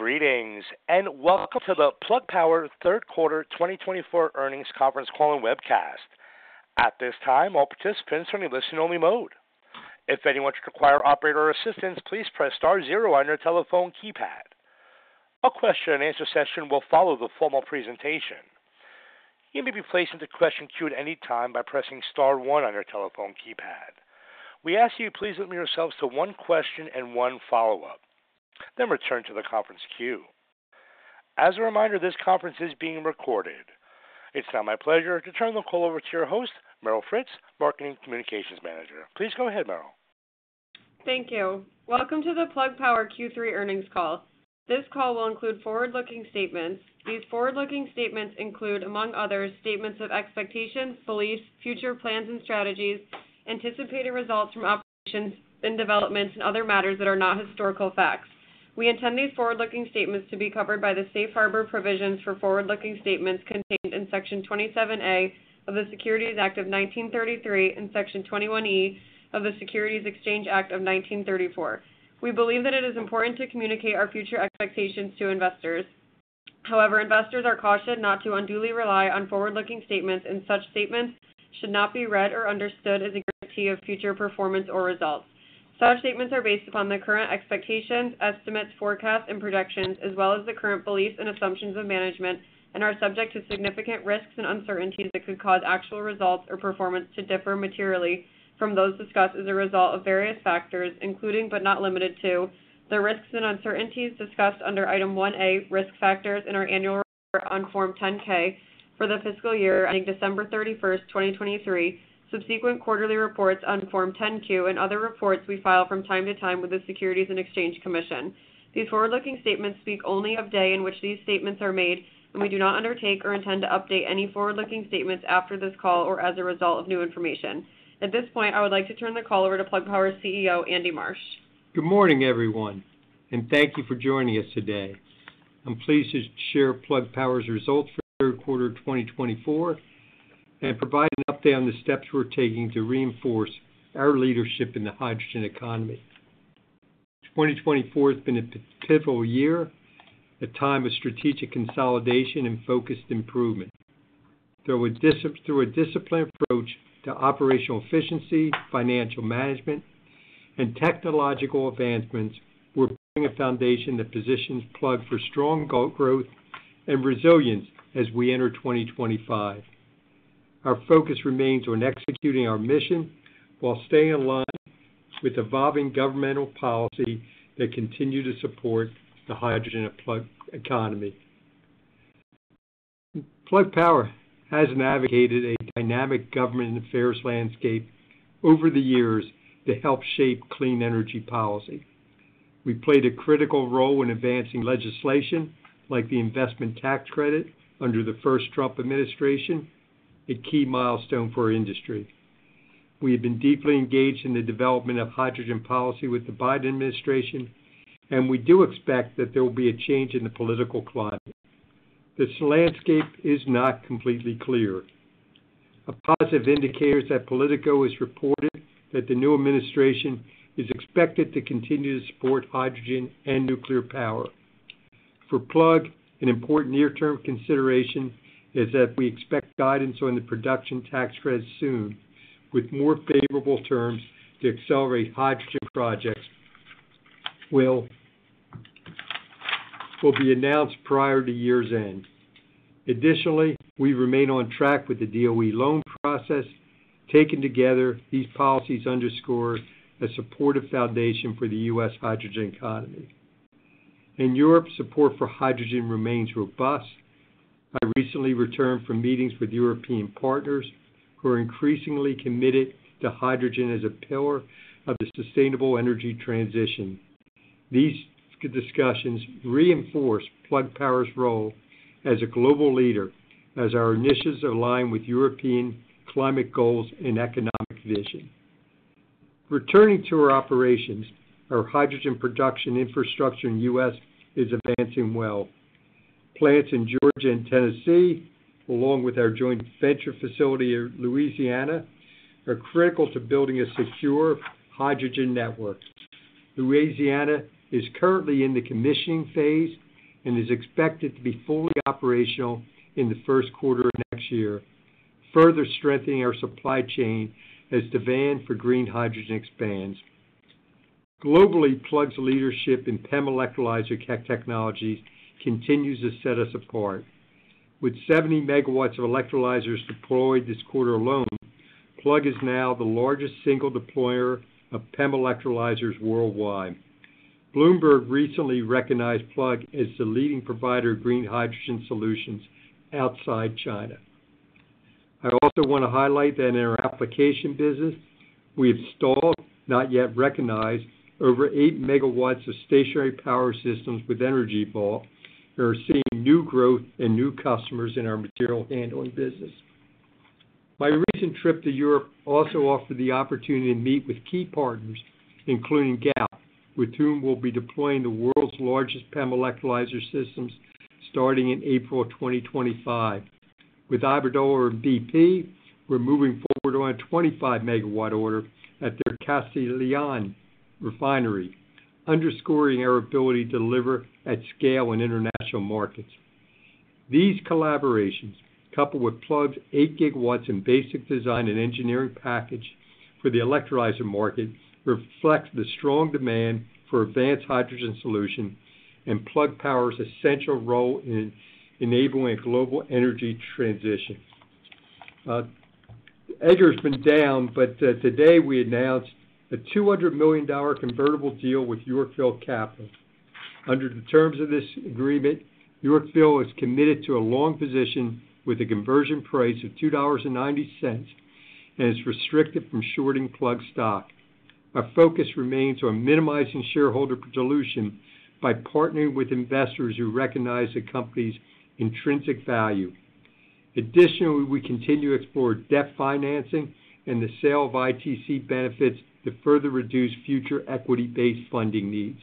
Greetings and welcome to the Plug Power third quarter 2024 earnings conference call and webcast. At this time, all participants are in listen-only mode. If anyone should require operator assistance, please press star zero on your telephone keypad. A question-and-answer session will follow the formal presentation. You may be placed into question queue at any time by pressing star one on your telephone keypad. We ask that you please limit yourselves to one question and one follow-up, then return to the conference queue. As a reminder, this conference is being recorded. It's now my pleasure to turn the call over to your host, Meryl Fritz, Marketing Communications Manager. Please go ahead, Meryl. Thank you. Welcome to the Plug Power Q3 earnings call. This call will include forward-looking statements. These forward-looking statements include, among others, statements of expectations, beliefs, future plans and strategies, anticipated results from operations and developments, and other matters that are not historical facts. We intend these forward-looking statements to be covered by the safe harbor provisions for forward-looking statements contained in section 27A of the Securities Act of 1933 and section 21E of the Securities Exchange Act of 1934. We believe that it is important to communicate our future expectations to investors. However, investors are cautioned not to unduly rely on forward-looking statements, and such statements should not be read or understood as a guarantee of future performance or results. Such statements are based upon the current expectations, estimates, forecasts, and projections, as well as the current beliefs and assumptions of management, and are subject to significant risks and uncertainties that could cause actual results or performance to differ materially from those discussed as a result of various factors, including but not limited to the risks and uncertainties discussed under item 1A, risk factors in our annual report on Form 10-K for the fiscal year ending December 31st, 2023, subsequent quarterly reports on Form 10-Q, and other reports we file from time to time with the Securities and Exchange Commission. These forward-looking statements speak only of the day in which these statements are made, and we do not undertake or intend to update any forward-looking statements after this call or as a result of new information. At this point, I would like to turn the call over to Plug Power CEO, Andy Marsh. Good morning, everyone, and thank you for joining us today. I'm pleased to share Plug Power's results for third quarter 2024, and provide an update on the steps we're taking to reinforce our leadership in the hydrogen economy. 2024 has been a pivotal year, a time of strategic consolidation and focused improvement. Through a disciplined approach to operational efficiency, financial management, and technological advancements, we're building a foundation that positions Plug for strong growth and resilience as we enter 2025. Our focus remains on executing our mission while staying in line with evolving governmental policy that continues to support the hydrogen economy. Plug Power has navigated a dynamic government affairs landscape over the years to help shape clean energy policy. We played a critical role in advancing legislation like the investment tax credit under the first Trump administration, a key milestone for our industry. We have been deeply engaged in the development of hydrogen policy with the Biden administration, and we do expect that there will be a change in the political climate. This landscape is not completely clear. A positive indicator is that Politico has reported that the new administration is expected to continue to support hydrogen and nuclear power. For Plug, an important near-term consideration is that we expect guidance on the production tax credit soon, with more favorable terms to accelerate hydrogen projects that will be announced prior to year's end. Additionally, we remain on track with the DOE loan process. Taken together, these policies underscore a supportive foundation for the U.S. hydrogen economy. In Europe, support for hydrogen remains robust. I recently returned from meetings with European partners who are increasingly committed to hydrogen as a pillar of the sustainable energy transition. These discussions reinforce Plug Power's role as a global leader, as our initiatives align with European climate goals and economic vision. Returning to our operations, our hydrogen production infrastructure in the U.S. is advancing well. Plants in Georgia and Tennessee, along with our joint venture facility in Louisiana, are critical to building a secure hydrogen network. Louisiana is currently in the commissioning phase and is expected to be fully operational in the first quarter of next year, further strengthening our supply chain as demand for green hydrogen expands. Globally, Plug's leadership in PEM electrolyzer technologies continues to set us apart. With 70 MW of electrolyzers deployed this quarter alone, Plug is now the largest single deployer of PEM electrolyzers worldwide. Bloomberg recently recognized Plug as the leading provider of green hydrogen solutions outside China. I also want to highlight that in our application business, we have sold, not yet recognized, over 8 MW of stationary power systems with Energy Vault, and are seeing new growth and new customers in our material handling business. My recent trip to Europe also offered the opportunity to meet with key partners, including Galp, with whom we'll be deploying the world's largest PEM electrolyzer systems starting in April 2025. With Iberdrola and BP, we're moving forward on a 25-MW order at their Castellón refinery, underscoring our ability to deliver at scale in international markets. These collaborations, coupled with Plug's 8 GW in basic design and engineering package for the electrolyzer market, reflect the strong demand for advanced hydrogen solutions and Plug Power's essential role in enabling a global energy transition. Plug has been down, but today we announced a $200 million convertible deal with Yorkville Advisors. Under the terms of this agreement, Yorkville is committed to a long position with a conversion price of $2.90 and is restricted from shorting Plug stock. Our focus remains on minimizing shareholder dilution by partnering with investors who recognize the company's intrinsic value. Additionally, we continue to explore debt financing and the sale of ITC benefits to further reduce future equity-based funding needs.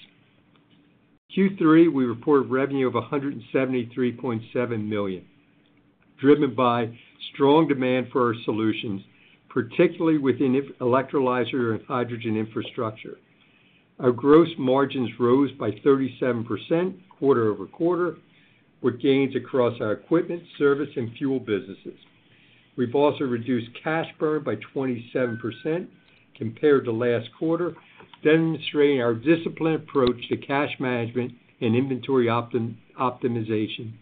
Q3, we reported revenue of $173.7 million, driven by strong demand for our solutions, particularly within electrolyzer and hydrogen infrastructure. Our gross margins rose by 37% quarter-over-quarter, with gains across our equipment, service, and fuel businesses. We've also reduced cash burn by 27% compared to last quarter, demonstrating our disciplined approach to cash management and inventory optimization.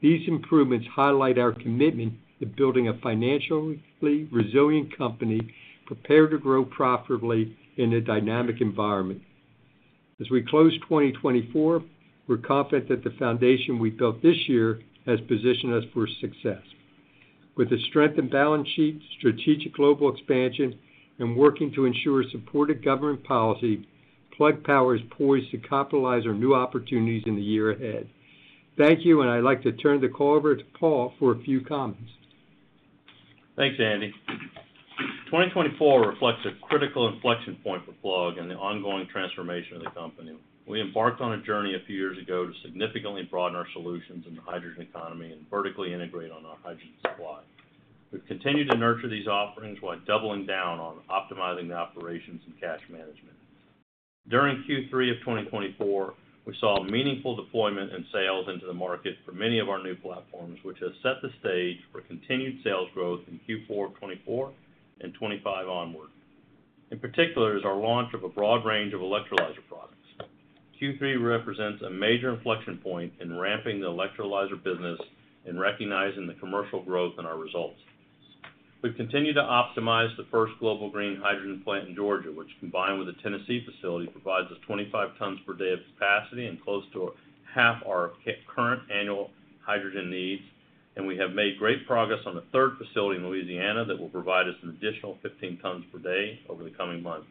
These improvements highlight our commitment to building a financially resilient company prepared to grow profitably in a dynamic environment. As we close 2024, we're confident that the foundation we built this year has positioned us for success. With a strengthened balance sheet, strategic global expansion, and working to ensure supportive government policy, Plug Power is poised to capitalize on new opportunities in the year ahead. Thank you, and I'd like to turn the call over to Paul for a few comments. Thanks, Andy. 2024 reflects a critical inflection point for Plug and the ongoing transformation of the company. We embarked on a journey a few years ago to significantly broaden our solutions in the hydrogen economy and vertically integrate on our hydrogen supply. We've continued to nurture these offerings while doubling down on optimizing the operations and cash management. During Q3 of 2024, we saw meaningful deployment and sales into the market for many of our new platforms, which has set the stage for continued sales growth in Q4 of 2024 and 2025 onward. In particular, there's our launch of a broad range of electrolyzer products. Q3 represents a major inflection point in ramping the electrolyzer business and recognizing the commercial growth in our results. We've continued to optimize the first global green hydrogen plant in Georgia, which, combined with the Tennessee facility, provides us 25 tons per day of capacity and close to half our current annual hydrogen needs. And we have made great progress on the third facility in Louisiana that will provide us an additional 15 tons per day over the coming months.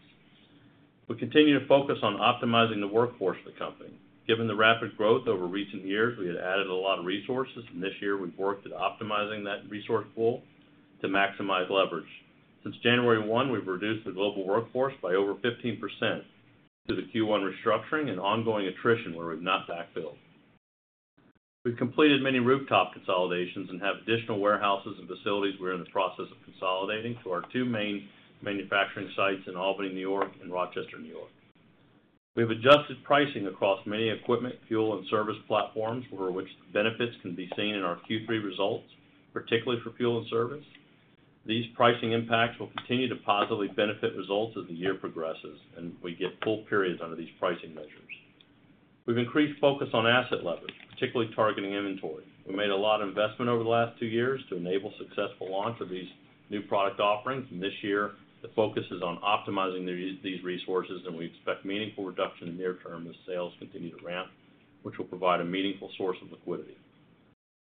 We continue to focus on optimizing the workforce of the company. Given the rapid growth over recent years, we had added a lot of resources, and this year we've worked at optimizing that resource pool to maximize leverage. Since January 1, we've reduced the global workforce by over 15% through the Q1 restructuring and ongoing attrition, where we've not backfilled. We've completed many rooftop consolidations and have additional warehouses and facilities we're in the process of consolidating to our two main manufacturing sites in Albany, New York, and Rochester, New York. We've adjusted pricing across many equipment, fuel, and service platforms, for which the benefits can be seen in our Q3 results, particularly for fuel and service. These pricing impacts will continue to positively benefit results as the year progresses, and we get full periods under these pricing measures. We've increased focus on asset leverage, particularly targeting inventory. We made a lot of investment over the last two years to enable successful launch of these new product offerings. And this year, the focus is on optimizing these resources, and we expect meaningful reduction in the near term as sales continue to ramp, which will provide a meaningful source of liquidity.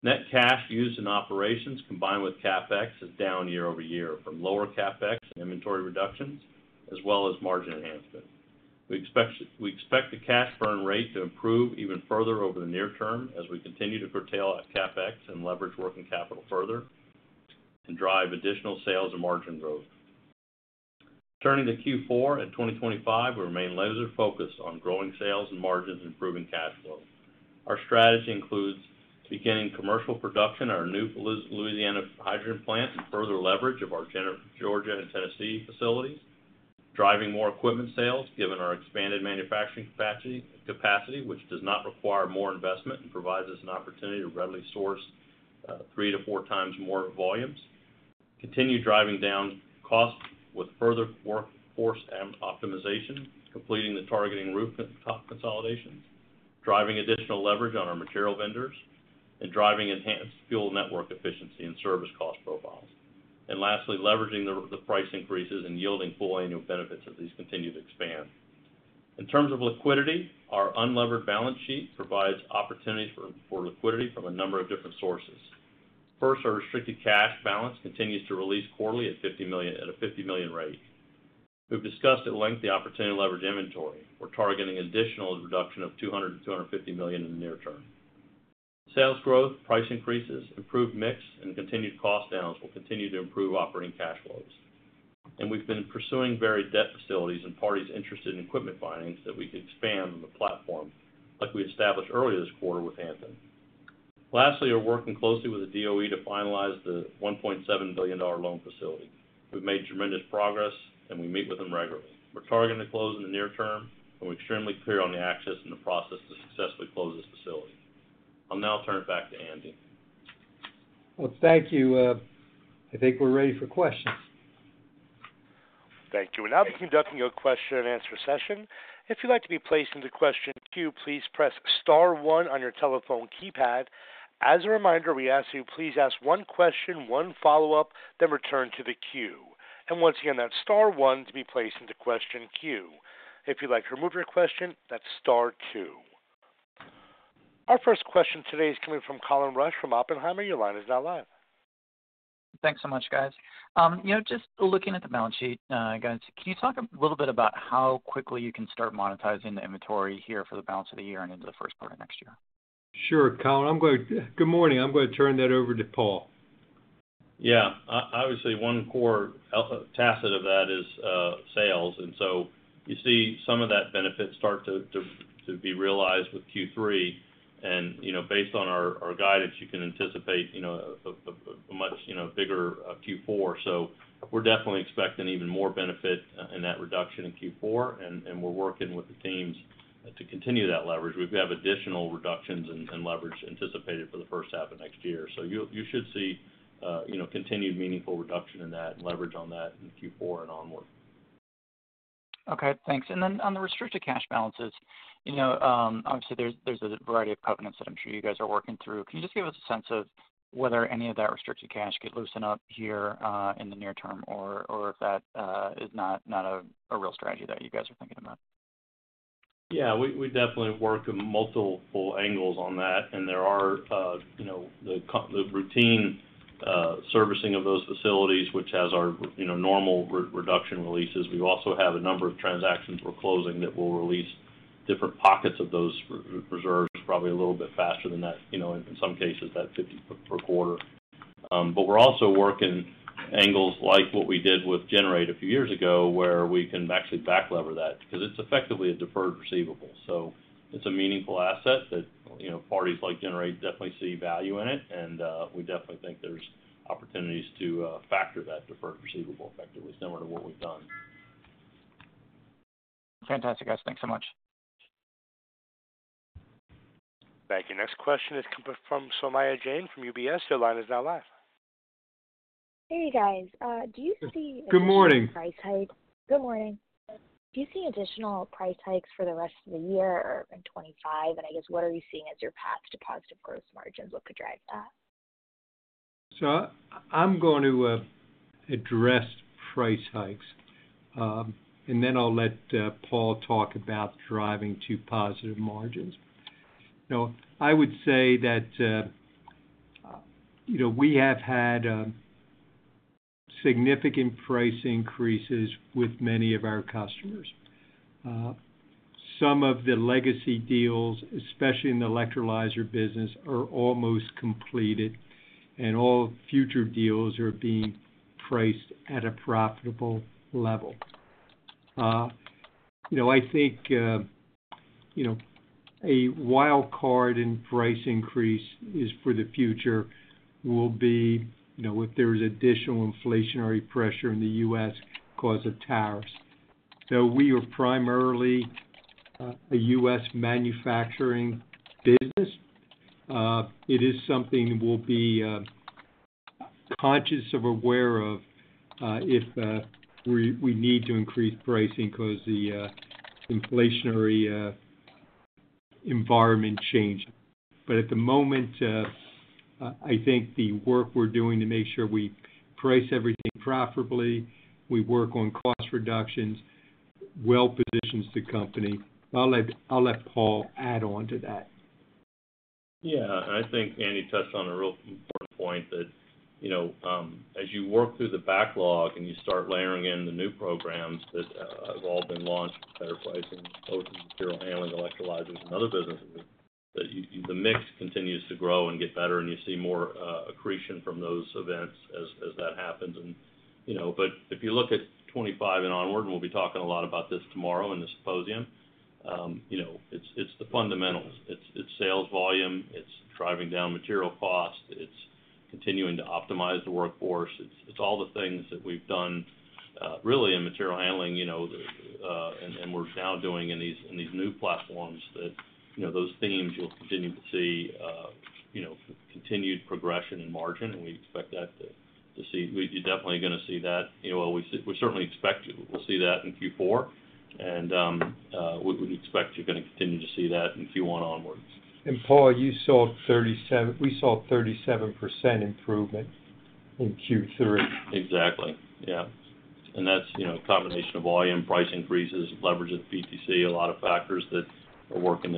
Net cash used in operations, combined with CapEx, is down year over year from lower CapEx and inventory reductions, as well as margin enhancement. We expect the cash burn rate to improve even further over the near term as we continue to curtail our CapEx and leverage working capital further and drive additional sales and margin growth. Turning to Q4 and 2025, we remain laser-focused on growing sales and margins and improving cash flow. Our strategy includes beginning commercial production at our new Louisiana hydrogen plant and further leverage of our Georgia and Tennessee facilities, driving more equipment sales given our expanded manufacturing capacity, which does not require more investment and provides us an opportunity to readily source three to four times more volumes, continuing to drive down costs with further workforce optimization, completing the targeting rooftop consolidations, driving additional leverage on our material vendors, and driving enhanced fuel network efficiency and service cost profiles, and lastly, leveraging the price increases and yielding full annual benefits as these continue to expand. In terms of liquidity, our unlevered balance sheet provides opportunities for liquidity from a number of different sources. First, our restricted cash balance continues to release quarterly at a $50 million rate. We've discussed at length the opportunity to leverage inventory. We're targeting additional reduction of $200 million-$250 million in the near term. Sales growth, price increases, improved mix, and continued cost downs will continue to improve operating cash flows, and we've been pursuing varied debt facilities and parties interested in equipment financing that we could expand on the platform, like we established earlier this quarter with Antin. Lastly, we're working closely with the DOE to finalize the $1.7 billion loan facility. We've made tremendous progress, and we meet with them regularly. We're targeting to close in the near term, and we're extremely clear on the access and the process to successfully close this facility. I'll now turn it back to Andy. Thank you. I think we're ready for questions. Thank you. And now we'll be conducting a question-and-answer session. If you'd like to be placed into the queue, please press star one on your telephone keypad. As a reminder, we ask that you please ask one question, one follow-up, then return to the queue. And once again, that's star one to be placed into the queue. If you'd like to remove your question, that's star two. Our first question today is coming from Colin Rusch from Oppenheimer. Your line is now live. Thanks so much, guys. Just looking at the balance sheet, guys, can you talk a little bit about how quickly you can start monetizing the inventory here for the balance of the year and into the first quarter of next year? Sure, Colin. Good morning. I'm going to turn that over to Paul. Yeah. Obviously, one core tactic of that is sales. And so you see some of that benefit start to be realized with Q3. And based on our guidance, you can anticipate a much bigger Q4. So we're definitely expecting even more benefit in that reduction in Q4. And we're working with the teams to continue that leverage. We have additional reductions in leverage anticipated for the first half of next year. So you should see continued meaningful reduction in that and leverage on that in Q4 and onward. Okay. Thanks. And then on the restricted cash balances, obviously, there's a variety of covenants that I'm sure you guys are working through. Can you just give us a sense of whether any of that restricted cash could loosen up here in the near term or if that is not a real strategy that you guys are thinking about? Yeah. We definitely work on multiple angles on that, and there are the routine servicing of those facilities, which has our normal reduction releases. We also have a number of transactions we're closing that will release different pockets of those reserves, probably a little bit faster than that, in some cases, that 50 per quarter. But we're also working angles like what we did with Generate a few years ago, where we can actually back-lever that because it's effectively a deferred receivable. So it's a meaningful asset that parties like Generate definitely see value in it, and we definitely think there's opportunities to factor that deferred receivable effectively similar to what we've done. Fantastic, guys. Thanks so much. Thank you. Next question is coming from Saumya Jain from UBS. Your line is now live. Hey, guys. Do you see additional? Good morning. Price hikes? Good morning. Do you see additional price hikes for the rest of the year or in 2025? And I guess, what are you seeing as your path to positive gross margins? What could drive that? I'm going to address price hikes, and then I'll let Paul talk about driving to positive margins. Now, I would say that we have had significant price increases with many of our customers. Some of the legacy deals, especially in the electrolyzer business, are almost completed, and all future deals are being priced at a profitable level. I think a wildcard in price increase for the future will be if there's additional inflationary pressure in the U.S. because of tariffs. We are primarily a U.S. manufacturing business. It is something we'll be conscious of, aware of if we need to increase pricing because of the inflationary environment change. But at the moment, I think the work we're doing to make sure we price everything profitably, we work on cost reductions, well positions the company. I'll let Paul add on to that. Yeah. I think Andy touched on a real important point that as you work through the backlog and you start layering in the new programs that have all been launched, better pricing, both in material handling, electrolyzers, and other businesses, that the mix continues to grow and get better, and you see more accretion from those events as that happens. But if you look at 2025 and onward, and we'll be talking a lot about this tomorrow in the symposium, it's the fundamentals. It's sales volume. It's driving down material cost. It's continuing to optimize the workforce. It's all the things that we've done, really, in material handling and we're now doing in these new platforms that those themes you'll continue to see continued progression in margin, and we expect that to see you're definitely going to see that. We certainly expect we'll see that in Q4, and we expect you're going to continue to see that in Q1 onwards. Paul, we saw 37% improvement in Q3. Exactly. Yeah. And that's a combination of volume, price increases, leverage at the PTC, a lot of factors that are working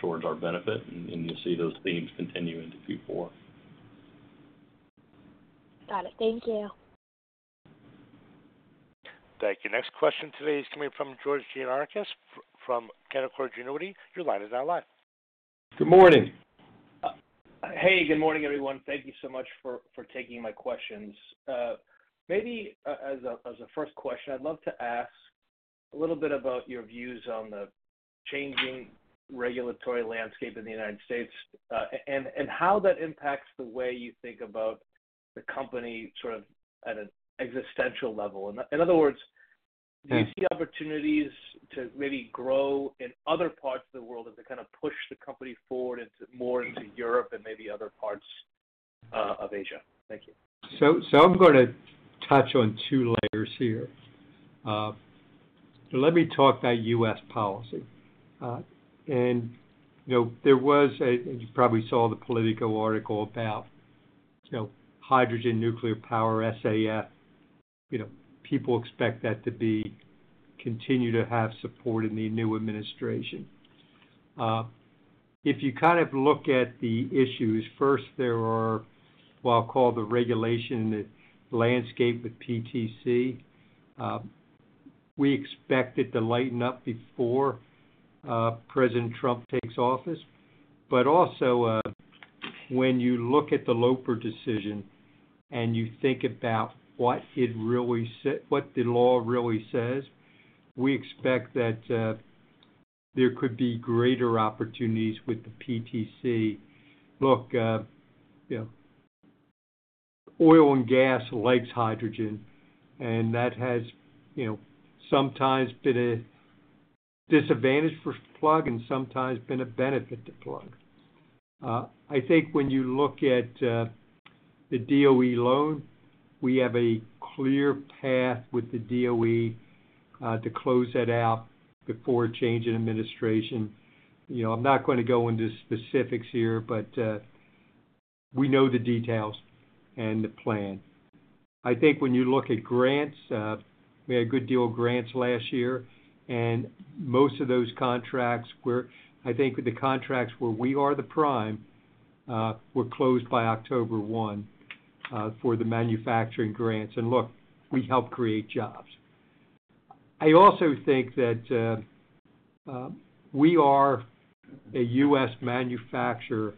towards our benefit, and you'll see those themes continue into Q4. Got it. Thank you. Thank you. Next question today is coming from George Gianarikas from Canaccord Genuity. Your line is now live. Good morning. Hey, good morning, everyone. Thank you so much for taking my questions. Maybe as a first question, I'd love to ask a little bit about your views on the changing regulatory landscape in the United States and how that impacts the way you think about the company sort of at an existential level. In other words, do you see opportunities to maybe grow in other parts of the world as it kind of pushes the company forward more into Europe and maybe other parts of Asia? Thank you. So I'm going to touch on two layers here. Let me talk about U.S. policy. And there was, and you probably saw the Politico article about hydrogen nuclear power, SAF. People expect that to continue to have support in the new administration. If you kind of look at the issues, first, there are, well, I'll call it the regulation landscape with PTC. We expect it to lighten up before President Trump takes office. But also, when you look at the Loper Bright decision and you think about what the law really says, we expect that there could be greater opportunities with the PTC. Look, oil and gas likes hydrogen, and that has sometimes been a disadvantage for Plug and sometimes been a benefit to Plug. I think when you look at the DOE loan, we have a clear path with the DOE to close that out before a change in administration. I'm not going to go into specifics here, but we know the details and the plan. I think when you look at grants, we had a good deal of grants last year. And most of those contracts, I think the contracts where we are the prime, were closed by October 1 for the manufacturing grants. And look, we help create jobs. I also think that we are a U.S. manufacturer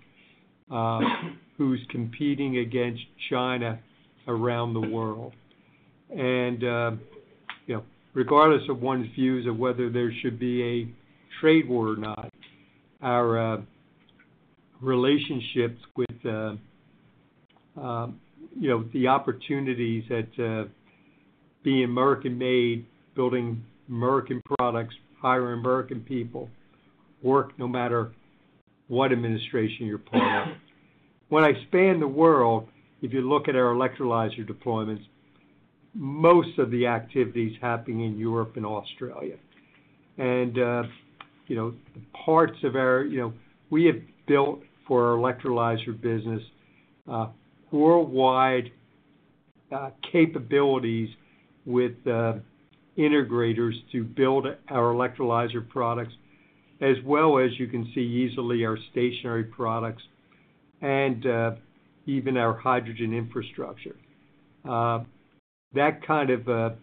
who's competing against China around the world. And regardless of one's views of whether there should be a trade war or not, our relationships with the opportunities at being American-made, building American products, hiring American people, work no matter what administration you're part of. When I span the world, if you look at our electrolyzer deployments, most of the activity is happening in Europe and Australia. And the partnerships we have built for our electrolyzer business. Worldwide capabilities with integrators to build our electrolyzer products, as well as you can see easily our stationary products and even our hydrogen infrastructure. That kind of,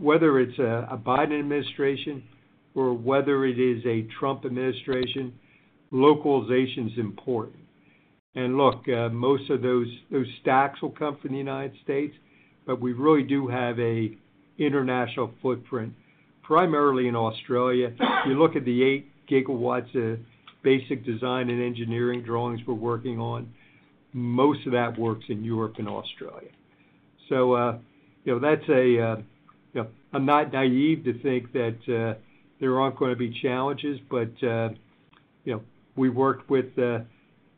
whether it's a Biden administration or whether it is a Trump administration, localization is important. And look, most of those stacks will come from the United States, but we really do have an international footprint primarily in Australia. If you look at the 8 GW of basic design and engineering drawings we're working on, most of that works in Europe and Australia. So that's. I'm not naive to think that there aren't going to be challenges, but we worked with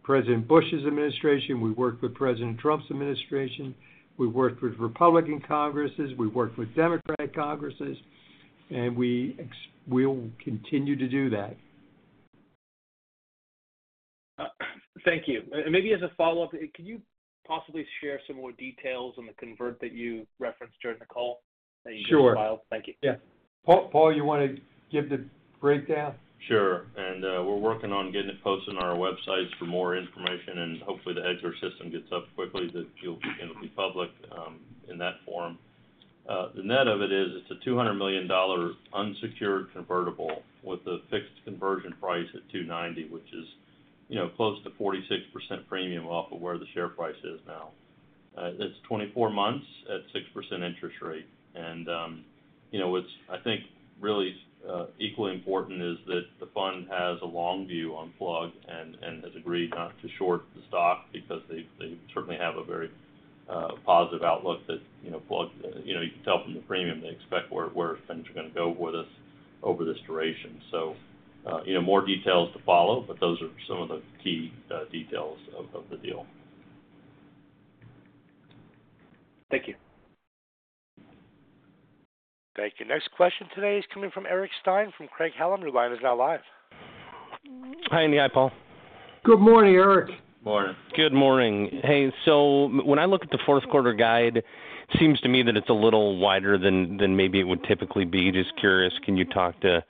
President Bush's administration. We worked with President Trump's administration. We worked with Republican Congresses. We worked with Democratic Congresses, and we will continue to do that. Thank you. And maybe as a follow-up, could you possibly share some more details on the convertible that you referenced during the call that you just filed? Sure. Thank you. Yeah. Paul, you want to give the breakdown? Sure. We're working on getting it posted on our websites for more information. Hopefully, the EDGAR system gets up quickly that it'll be public in that form. The net of it is it's a $200 million unsecured convertible with a fixed conversion price at 290, which is close to 46% premium off of where the share price is now. It's 24 months at 6% interest rate. What's, I think, really equally important is that the fund has a long view on Plug and has agreed not to short the stock because they certainly have a very positive outlook that, Plug, you can tell from the premium they expect where things are going to go with us over this duration. More details to follow, but those are some of the key details of the deal. Thank you. Thank you. Next question today is coming from Eric Stine from Craig-Hallum. Your line is now live. Hi, Andy. Hi, Paul. Good morning, Eric. Good morning. Good morning. Hey, so when I look at the fourth quarter guide, it seems to me that it's a little wider than maybe it would typically be. Just curious, can you talk to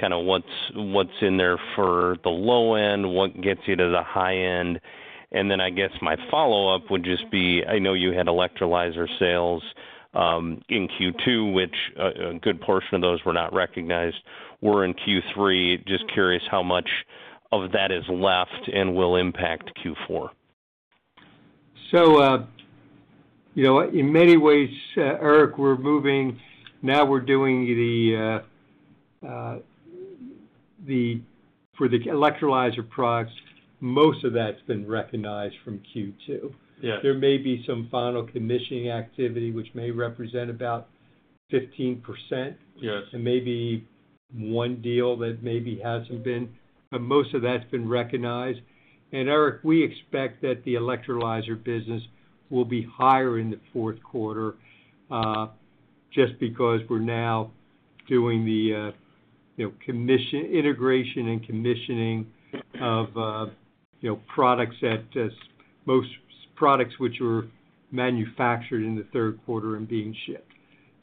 kind of what's in there for the low end, what gets you to the high end? And then I guess my follow-up would just be I know you had electrolyzer sales in Q2, which a good portion of those were not recognized. We're in Q3. Just curious how much of that is left and will impact Q4? So in many ways, Eric, we're moving. Now we're doing the electrolyzer products; most of that's been recognized from Q2. There may be some final commissioning activity, which may represent about 15%. There may be one deal that maybe hasn't been, but most of that's been recognized. And Eric, we expect that the electrolyzer business will be higher in the fourth quarter just because we're now doing the integration and commissioning of most products which were manufactured in the third quarter and being shipped.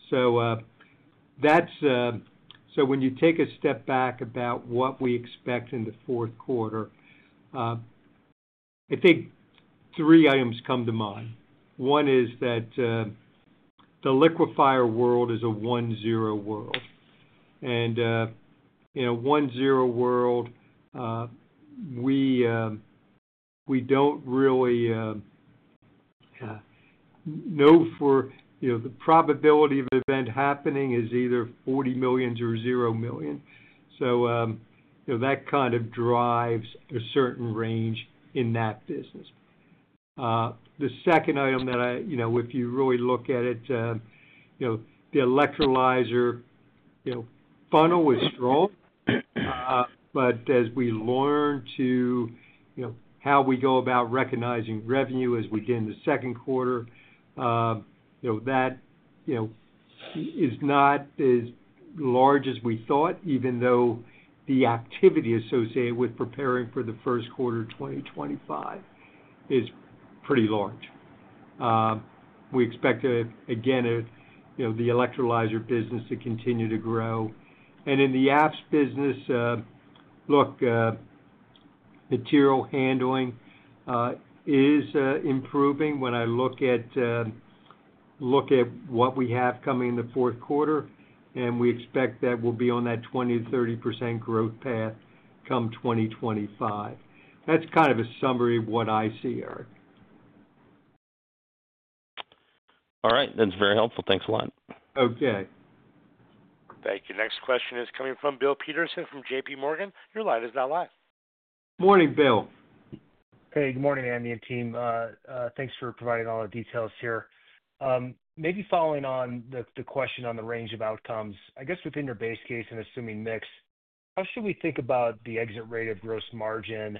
So when you take a step back about what we expect in the fourth quarter, I think three items come to mind. One is that the liquefier world is a 1-0 world. And in a 1-0 world, we don't really know; the probability of an event happening is either $40 million or $0 million. So that kind of drives a certain range in that business. The second item that if you really look at it, the electrolyzer funnel was strong. But as we learn to how we go about recognizing revenue as we did in the second quarter, that is not as large as we thought, even though the activity associated with preparing for the first quarter of 2025 is pretty large. We expect, again, the electrolyzer business to continue to grow. And in the apps business, look, material handling is improving when I look at what we have coming in the fourth quarter, and we expect that we'll be on that 20%-30% growth path come 2025. That's kind of a summary of what I see, Eric. All right. That's very helpful. Thanks a lot. Okay. Thank you. Next question is coming from Bill Peterson from JPMorgan. Your line is now live. Morning, Bill. Hey, good morning, Andy and team. Thanks for providing all the details here. Maybe following on the question on the range of outcomes, I guess within your base case and assuming mix, how should we think about the exit rate of gross margin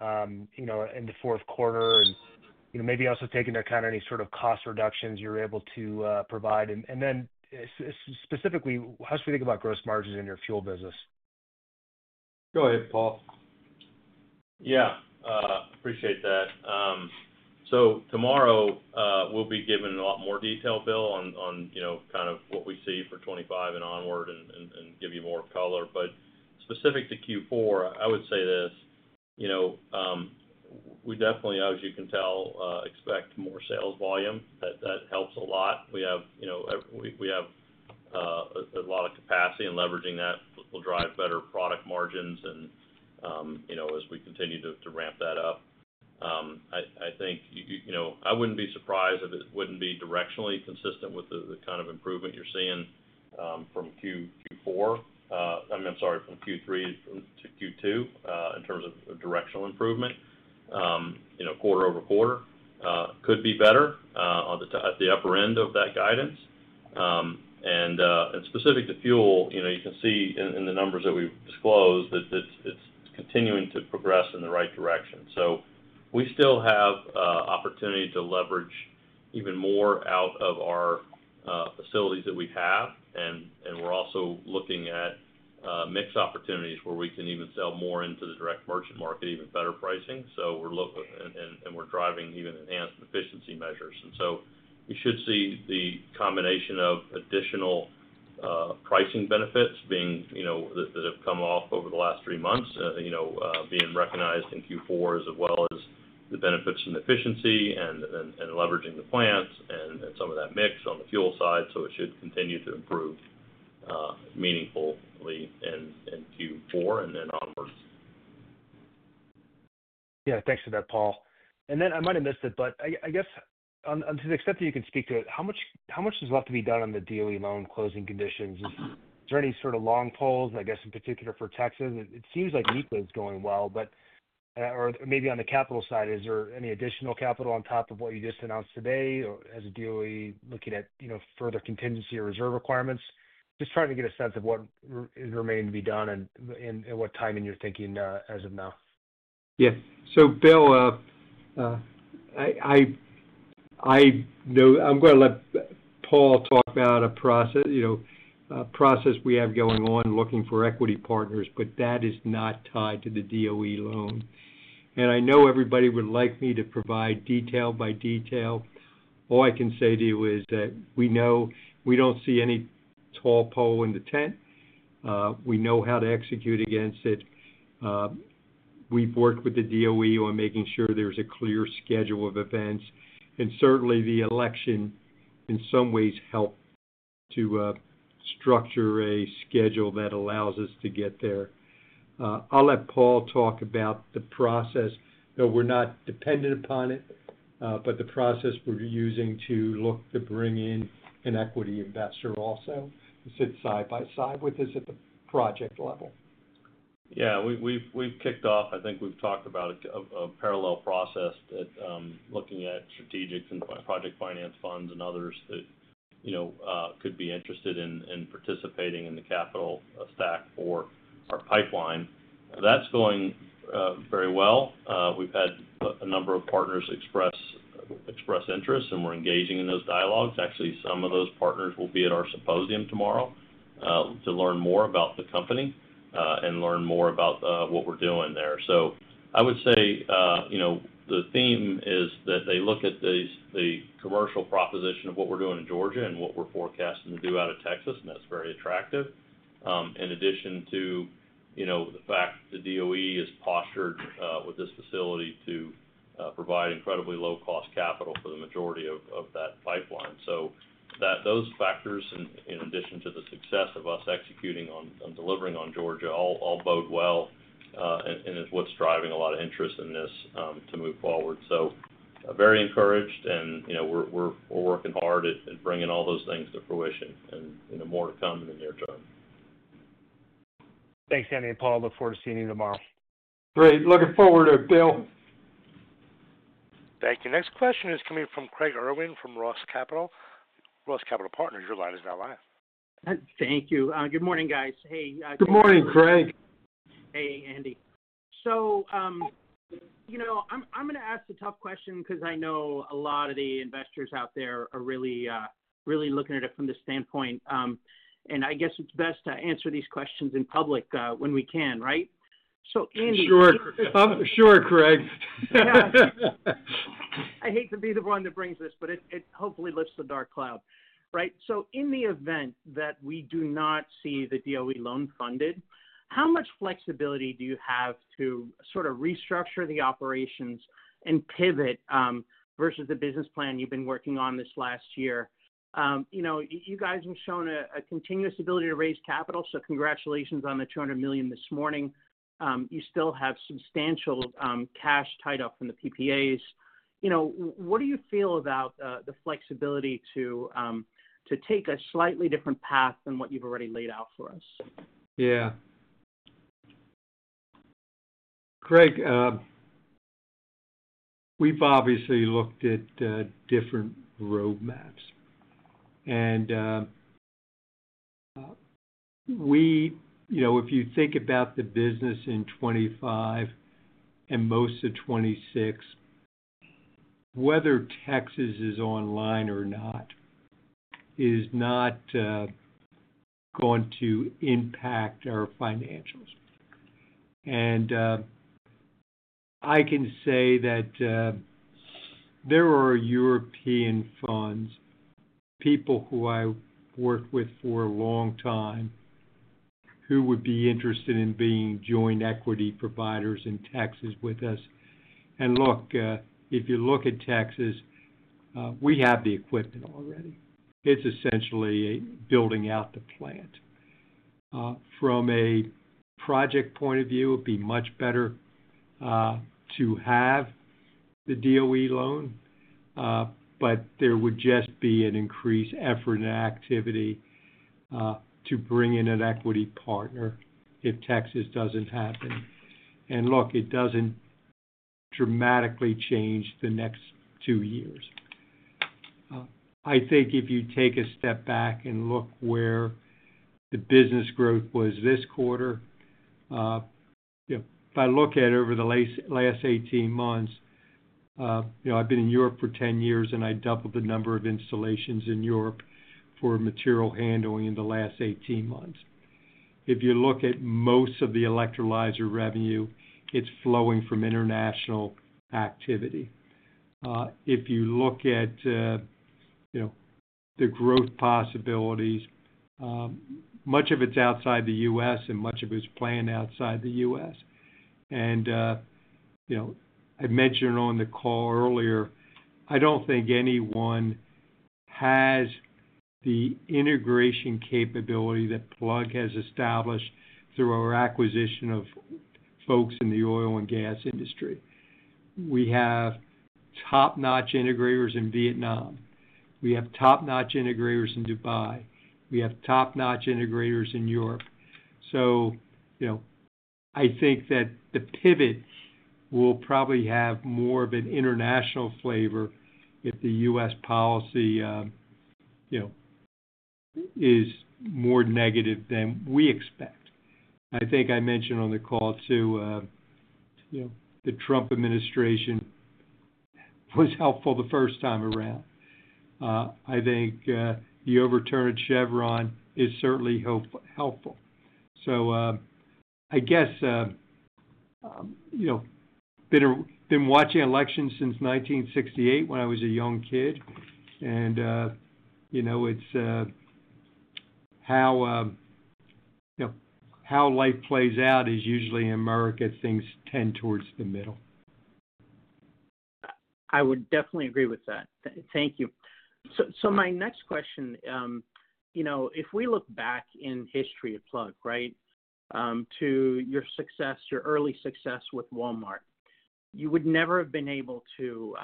in the fourth quarter? And maybe also taking into account any sort of cost reductions you're able to provide. And then specifically, how should we think about gross margins in your fuel business? Go ahead, Paul. Yeah. Appreciate that. So tomorrow, we'll be giving a lot more detail, Bill, on kind of what we see for 2025 and onward and give you more color. But specific to Q4, I would say this. We definitely, as you can tell, expect more sales volume. That helps a lot. We have a lot of capacity, and leveraging that will drive better product margins as we continue to ramp that up. I think I wouldn't be surprised if it wouldn't be directionally consistent with the kind of improvement you're seeing from Q4. I mean, I'm sorry, from Q3 to Q2 in terms of directional improvement. Quarter-over-quarter could be better at the upper end of that guidance. And specific to fuel, you can see in the numbers that we've disclosed that it's continuing to progress in the right direction. So we still have opportunity to leverage even more out of our facilities that we have. And we're also looking at mixed opportunities where we can even sell more into the direct merchant market, even better pricing. And we're driving even enhanced efficiency measures. And so we should see the combination of additional pricing benefits that have come off over the last three months being recognized in Q4, as well as the benefits and efficiency and leveraging the plants and some of that mix on the fuel side. So it should continue to improve meaningfully in Q4 and then onwards. Yeah. Thanks for that, Paul. And then I might have missed it, but I guess to the extent that you can speak to it, how much is left to be done on the DOE loan closing conditions? Is there any sort of long poles, I guess, in particular for Texas? It seems like NEPA is going well, but maybe on the capital side, is there any additional capital on top of what you just announced today? As the DOE looking at further contingency or reserve requirements? Just trying to get a sense of what is remaining to be done and what timing you're thinking as of now. Yes. So, Bill, I'm going to let Paul talk about a process we have going on looking for equity partners, but that is not tied to the DOE loan. And I know everybody would like me to provide detail by detail. All I can say to you is that we don't see any tall pole in the tent. We know how to execute against it. We've worked with the DOE on making sure there's a clear schedule of events. And certainly, the election in some ways helped to structure a schedule that allows us to get there. I'll let Paul talk about the process. We're not dependent upon it, but the process we're using to look to bring in an equity investor also to sit side by side with us at the project level. Yeah. We've kicked off. I think we've talked about a parallel process looking at strategics and project finance funds and others that could be interested in participating in the capital stack for our pipeline. That's going very well. We've had a number of partners express interest, and we're engaging in those dialogues. Actually, some of those partners will be at our symposium tomorrow to learn more about the company and learn more about what we're doing there. So I would say the theme is that they look at the commercial proposition of what we're doing in Georgia and what we're forecasting to do out of Texas, and that's very attractive. In addition to the fact that the DOE is postured with this facility to provide incredibly low-cost capital for the majority of that pipeline. So those factors, in addition to the success of us executing on delivering on Georgia, all bode well and is what's driving a lot of interest in this to move forward. So very encouraged, and we're working hard at bringing all those things to fruition and more to come in the near term. Thanks, Andy and Paul. Look forward to seeing you tomorrow. Great. Looking forward to it, Bill. Thank you. Next question is coming from Craig Irwin from Roth Capital. Roth Capital Partners, your line is now live. Thank you. Good morning, guys. Hey. Good morning, Craig. Hey, Andy. So I'm going to ask a tough question because I know a lot of the investors out there are really looking at it from the standpoint. And I guess it's best to answer these questions in public when we can, right? So Andy. Sure. Sure, Craig. I hate to be the one that brings this, but it hopefully lifts the dark cloud, right? So in the event that we do not see the DOE loan funded, how much flexibility do you have to sort of restructure the operations and pivot versus the business plan you've been working on this last year? You guys have shown a continuous ability to raise capital, so congratulations on the $200 million this morning. You still have substantial cash tied up from the PPAs. What do you feel about the flexibility to take a slightly different path than what you've already laid out for us? Yeah. Craig, we've obviously looked at different roadmaps. And if you think about the business in 2025 and most of 2026, whether Texas is online or not is not going to impact our financials. And I can say that there are European funds, people who I've worked with for a long time who would be interested in being joint equity providers in Texas with us. And look, if you look at Texas, we have the equipment already. It's essentially building out the plant. From a project point of view, it'd be much better to have the DOE loan, but there would just be an increased effort and activity to bring in an equity partner if Texas doesn't happen. And look, it doesn't dramatically change the next two years. I think if you take a step back and look where the business growth was this quarter. If I look at it over the last 18 months, I've been in Europe for 10 years, and I doubled the number of installations in Europe for material handling in the last 18 months. If you look at most of the electrolyzer revenue, it's flowing from international activity. If you look at the growth possibilities, much of it's outside the U.S., and much of it's planned outside the U.S. And I mentioned on the call earlier, I don't think anyone has the integration capability that Plug has established through our acquisition of folks in the oil and gas industry. We have top-notch integrators in Vietnam. We have top-notch integrators in Dubai. We have top-notch integrators in Europe. So I think that the pivot will probably have more of an international flavor if the U.S. policy is more negative than we expect. I think I mentioned on the call too the Trump administration was helpful the first time around. I think the overturn at Chevron is certainly helpful. So I guess been watching elections since 1968 when I was a young kid. And it's how life plays out is usually in America. Things tend towards the middle. I would definitely agree with that. Thank you. So my next question, if we look back in history at Plug, right, to your early success with Walmart, you would never have been able to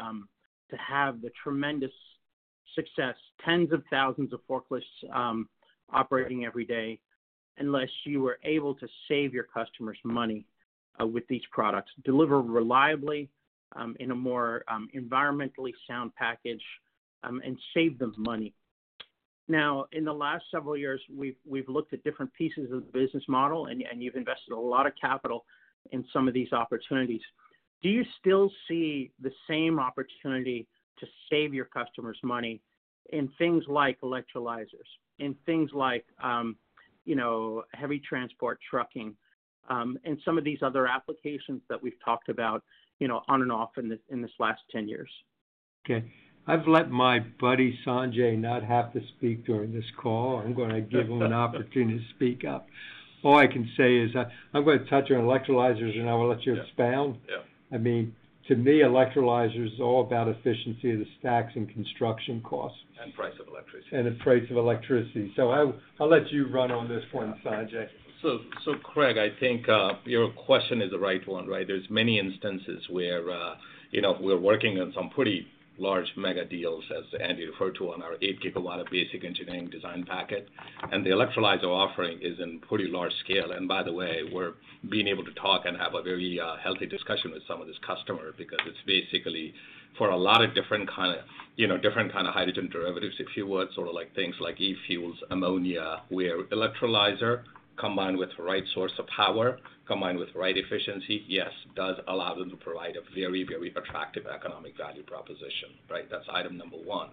have the tremendous success, tens of thousands of forklifts operating every day, unless you were able to save your customers money with these products, deliver reliably in a more environmentally sound package, and save them money. Now, in the last several years, we've looked at different pieces of the business model, and you've invested a lot of capital in some of these opportunities. Do you still see the same opportunity to save your customers money in things like electrolyzers, in things like heavy transport, trucking, and some of these other applications that we've talked about on and off in this last 10 years? Okay. I've let my buddy Sanjay not have to speak during this call. I'm going to give him an opportunity to speak up. All I can say is I'm going to touch on electrolyzers, and I will let you expound. I mean, to me, electrolyzers are all about efficiency of the stacks and construction costs. Price of electricity. The price of electricity. I'll let you run on this one, Sanjay. So Craig, I think your question is the right one, right? There's many instances where we're working on some pretty large mega deals, as Andy referred to, on our 8-GW of Basic Engineering Design Package. And the electrolyzer offering is in pretty large scale. And by the way, we're being able to talk and have a very healthy discussion with some of these customers because it's basically for a lot of different kinds of hydrogen derivatives, if you would, sort of like things like e-fuels, ammonia, where electrolyzer combined with the right source of power, combined with the right efficiency, yes, does allow them to provide a very, very attractive economic value proposition, right? That's item number one.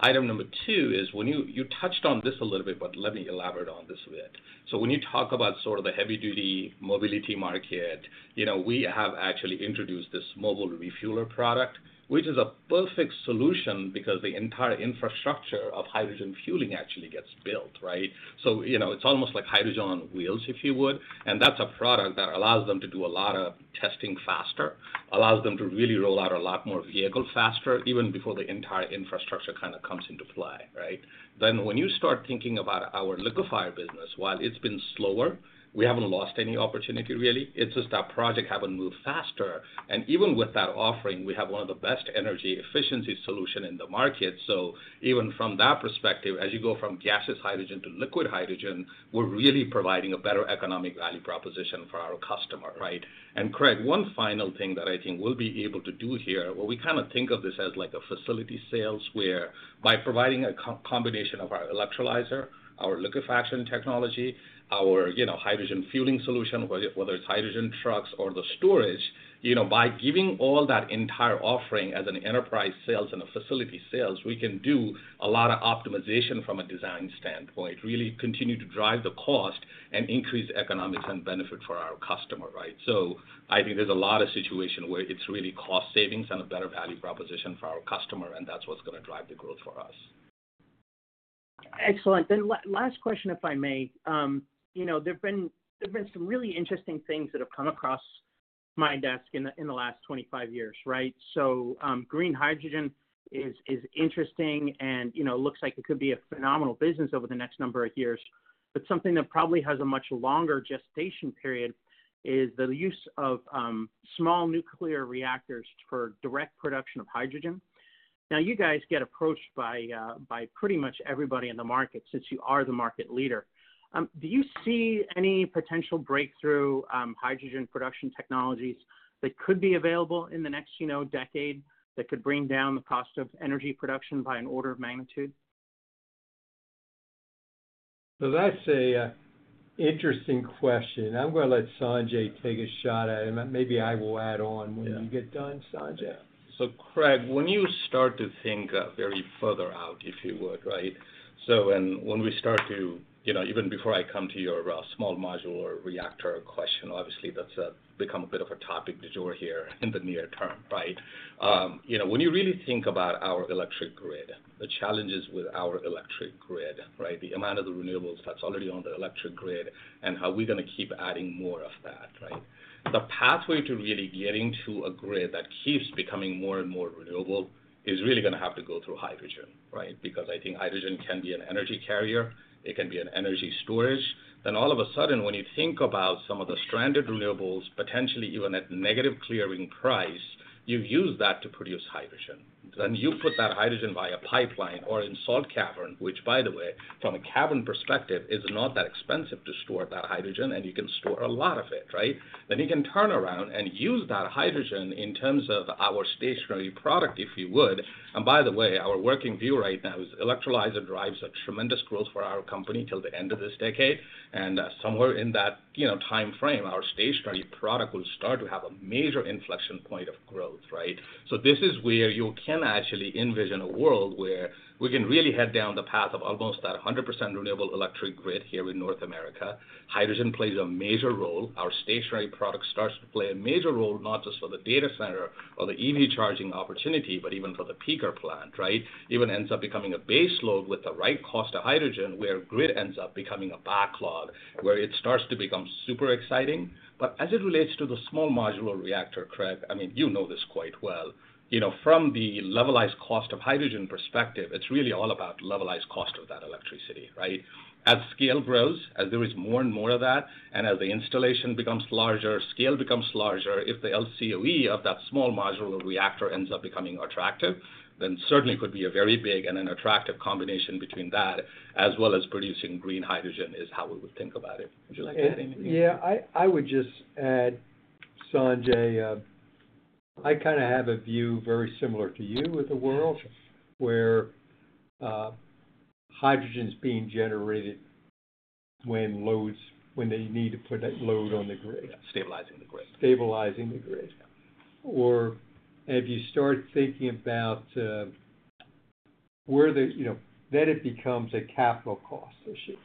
Item number two is when you touched on this a little bit, but let me elaborate on this a bit. So when you talk about sort of the heavy-duty mobility market, we have actually introduced this mobile refueler product, which is a perfect solution because the entire infrastructure of hydrogen fueling actually gets built, right? So it's almost like hydrogen on wheels, if you would. And that's a product that allows them to do a lot of testing faster, allows them to really roll out a lot more vehicles faster even before the entire infrastructure kind of comes into play, right? Then when you start thinking about our liquefier business, while it's been slower, we haven't lost any opportunity, really. It's just that projects haven't moved faster. And even with that offering, we have one of the best energy efficiency solutions in the market. So even from that perspective, as you go from gaseous hydrogen to liquid hydrogen, we're really providing a better economic value proposition for our customer, right? Craig, one final thing that I think we'll be able to do here. Well, we kind of think of this as like a facility sales whereby providing a combination of our electrolyzer, our liquefaction technology, our hydrogen fueling solution, whether it's hydrogen trucks or the storage, by giving all that entire offering as an enterprise sales and a facility sales, we can do a lot of optimization from a design standpoint, really continue to drive the cost and increase the economics and benefit for our customer, right? So I think there's a lot of situations where it's really cost savings and a better value proposition for our customer, and that's what's going to drive the growth for us. Excellent. Then last question, if I may. There've been some really interesting things that have come across my desk in the last 25 years, right? So green hydrogen is interesting and looks like it could be a phenomenal business over the next number of years. But something that probably has a much longer gestation period is the use of small nuclear reactors for direct production of hydrogen. Now, you guys get approached by pretty much everybody in the market since you are the market leader. Do you see any potential breakthrough hydrogen production technologies that could be available in the next decade that could bring down the cost of energy production by an order of magnitude? That's an interesting question. I'm going to let Sanjay take a shot at it, and maybe I will add on when you get done, Sanjay. Craig, when you start to think very far out, if you would, right? When we start to even before I come to your small modular reactor question, obviously, that's become a bit of a topic that you're hearing in the near term, right? When you really think about our electric grid, the challenges with our electric grid, right, the amount of the renewables that's already on the electric grid and how we're going to keep adding more of that, right? The pathway to really getting to a grid that keeps becoming more and more renewable is really going to have to go through hydrogen, right? Because I think hydrogen can be an energy carrier. It can be an energy storage. Then all of a sudden, when you think about some of the stranded renewables, potentially even at negative clearing price, you use that to produce hydrogen. Then you put that hydrogen via a pipeline or in salt cavern, which, by the way, from a cavern perspective, is not that expensive to store that hydrogen, and you can store a lot of it, right? Then you can turn around and use that hydrogen in terms of our stationary product, if you would. And by the way, our working view right now is electrolyzer drives a tremendous growth for our company till the end of this decade. And somewhere in that timeframe, our stationary product will start to have a major inflection point of growth, right? So this is where you can actually envision a world where we can really head down the path of almost that 100% renewable electric grid here in North America. Hydrogen plays a major role. Our stationary product starts to play a major role not just for the data center or the EV charging opportunity, but even for the peaker plant, right? Even ends up becoming a base load with the right cost of hydrogen where grid ends up becoming a backlog where it starts to become super exciting. But as it relates to the small modular reactor, Craig, I mean, you know this quite well. From the levelized cost of hydrogen perspective, it's really all about levelized cost of that electricity, right? As scale grows, as there is more and more of that, and as the installation becomes larger, scale becomes larger, if the LCOE of that small modular reactor ends up becoming attractive, then certainly could be a very big and an attractive combination between that as well as producing green hydrogen is how we would think about it. Would you like to add anything? Yeah. I would just add, Sanjay, I kind of have a view very similar to you with the world where hydrogen is being generated when they need to put that load on the grid. Stabilizing the grid. Stabilizing the grid. Or if you start thinking about where the then it becomes a capital cost issue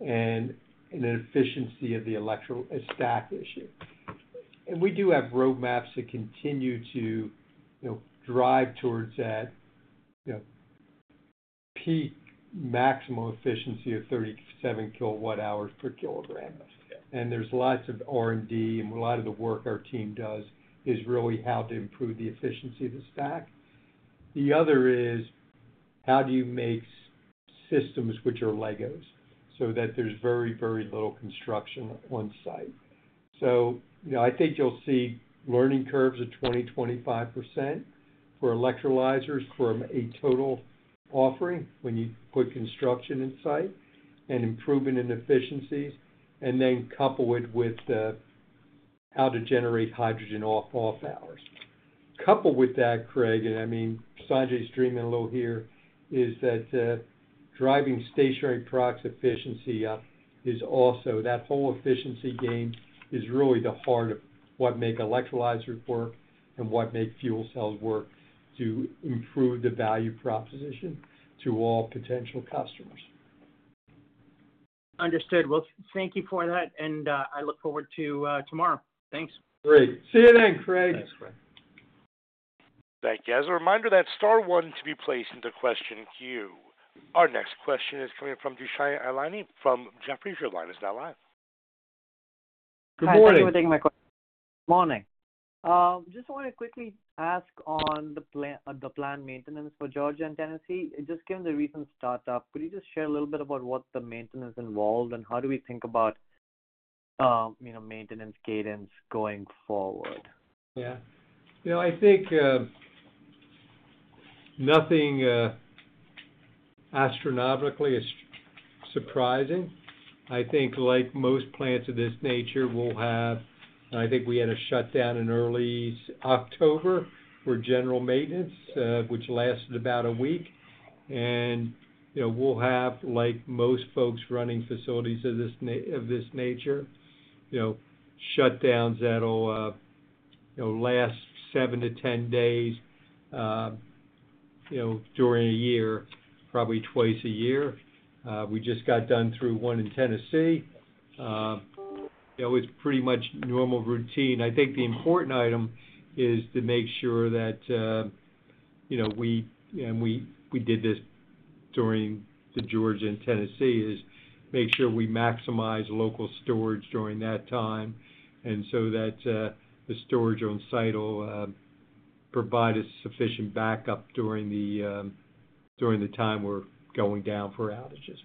and an efficiency of the electrical stack issue. And we do have roadmaps that continue to drive towards that peak maximum efficiency of 37 KWh per kg. And there's lots of R&D, and a lot of the work our team does is really how to improve the efficiency of the stack. The other is how do you make systems which are Legos so that there's very, very little construction on site? So I think you'll see learning curves of 20%-25% for electrolyzers from a total offering when you put construction on site and improvement in efficiencies, and then couple it with how to generate hydrogen off-off hours. Coupled with that, Craig, and I mean, Sanjay's dreaming a little here is that driving stationary products' efficiency up is also that whole efficiency game is really the heart of what makes electrolyzers work and what makes fuel cells work to improve the value proposition to all potential customers. Understood. Well, thank you for that, and I look forward to tomorrow. Thanks. Great. See you then, Craig. Thanks, Craig. Thank you. As a reminder, that's star one to be placed into the question queue. Our next question is coming from Dushyant Ailani from Jefferies. Your line is now live. Good morning. Thank you for taking my call. Good morning. Just want to quickly ask on the planned maintenance for Georgia and Tennessee. Just given the recent startup, could you just share a little bit about what the maintenance involved and how do we think about maintenance cadence going forward? Yeah. I think nothing astronomically surprising. I think like most plants of this nature, we'll have, and I think we had a shutdown in early October for general maintenance, which lasted about a week. And we'll have, like most folks running facilities of this nature, shutdowns that'll last seven to 10 days during a year, probably twice a year. We just got done through one in Tennessee. It was pretty much normal routine. I think the important item is to make sure that, and we did this during the Georgia and Tennessee, is make sure we maximize local storage during that time and so that the storage on site will provide us sufficient backup during the time we're going down for outages.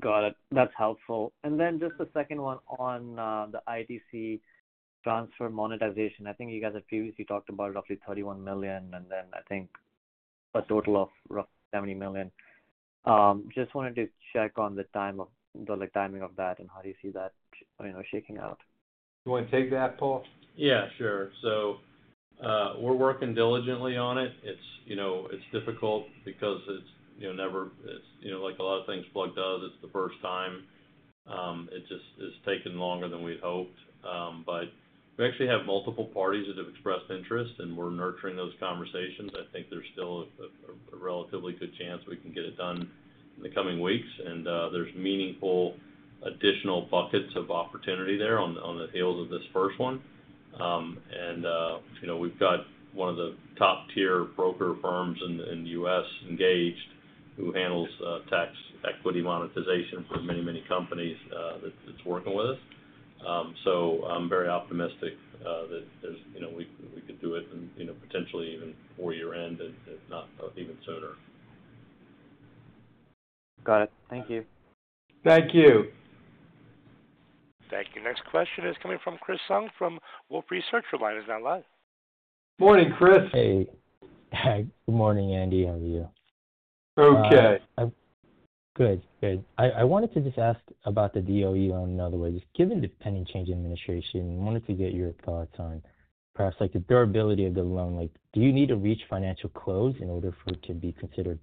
Got it. That's helpful. And then just a second one on the ITC transfer monetization. I think you guys had previously talked about roughly $31 million, and then I think a total of roughly $70 million. Just wanted to check on the timing of that and how do you see that shaking out? Do you want to take that, Paul? Yeah, sure. So we're working diligently on it. It's difficult because it's never, like a lot of things Plug does, it's the first time. It's taken longer than we'd hoped. But we actually have multiple parties that have expressed interest, and we're nurturing those conversations. I think there's still a relatively good chance we can get it done in the coming weeks. And there's meaningful additional buckets of opportunity there on the heels of this first one. And we've got one of the top-tier broker firms in the U.S. engaged who handles tax equity monetization for many, many companies that's working with us. So I'm very optimistic that we could do it and potentially even before year-end, if not even sooner. Got it. Thank you. Thank you. Thank you. Next question is coming from Chris Senyek from Wolfe Research. Your line is now live. Morning, Chris. Hey. Good morning, Andy. How are you? Okay. Good. Good. I wanted to just ask about the DOE loan in other ways. Given the pending change in administration, I wanted to get your thoughts on perhaps the durability of the loan. Do you need to reach financial close in order for it to be considered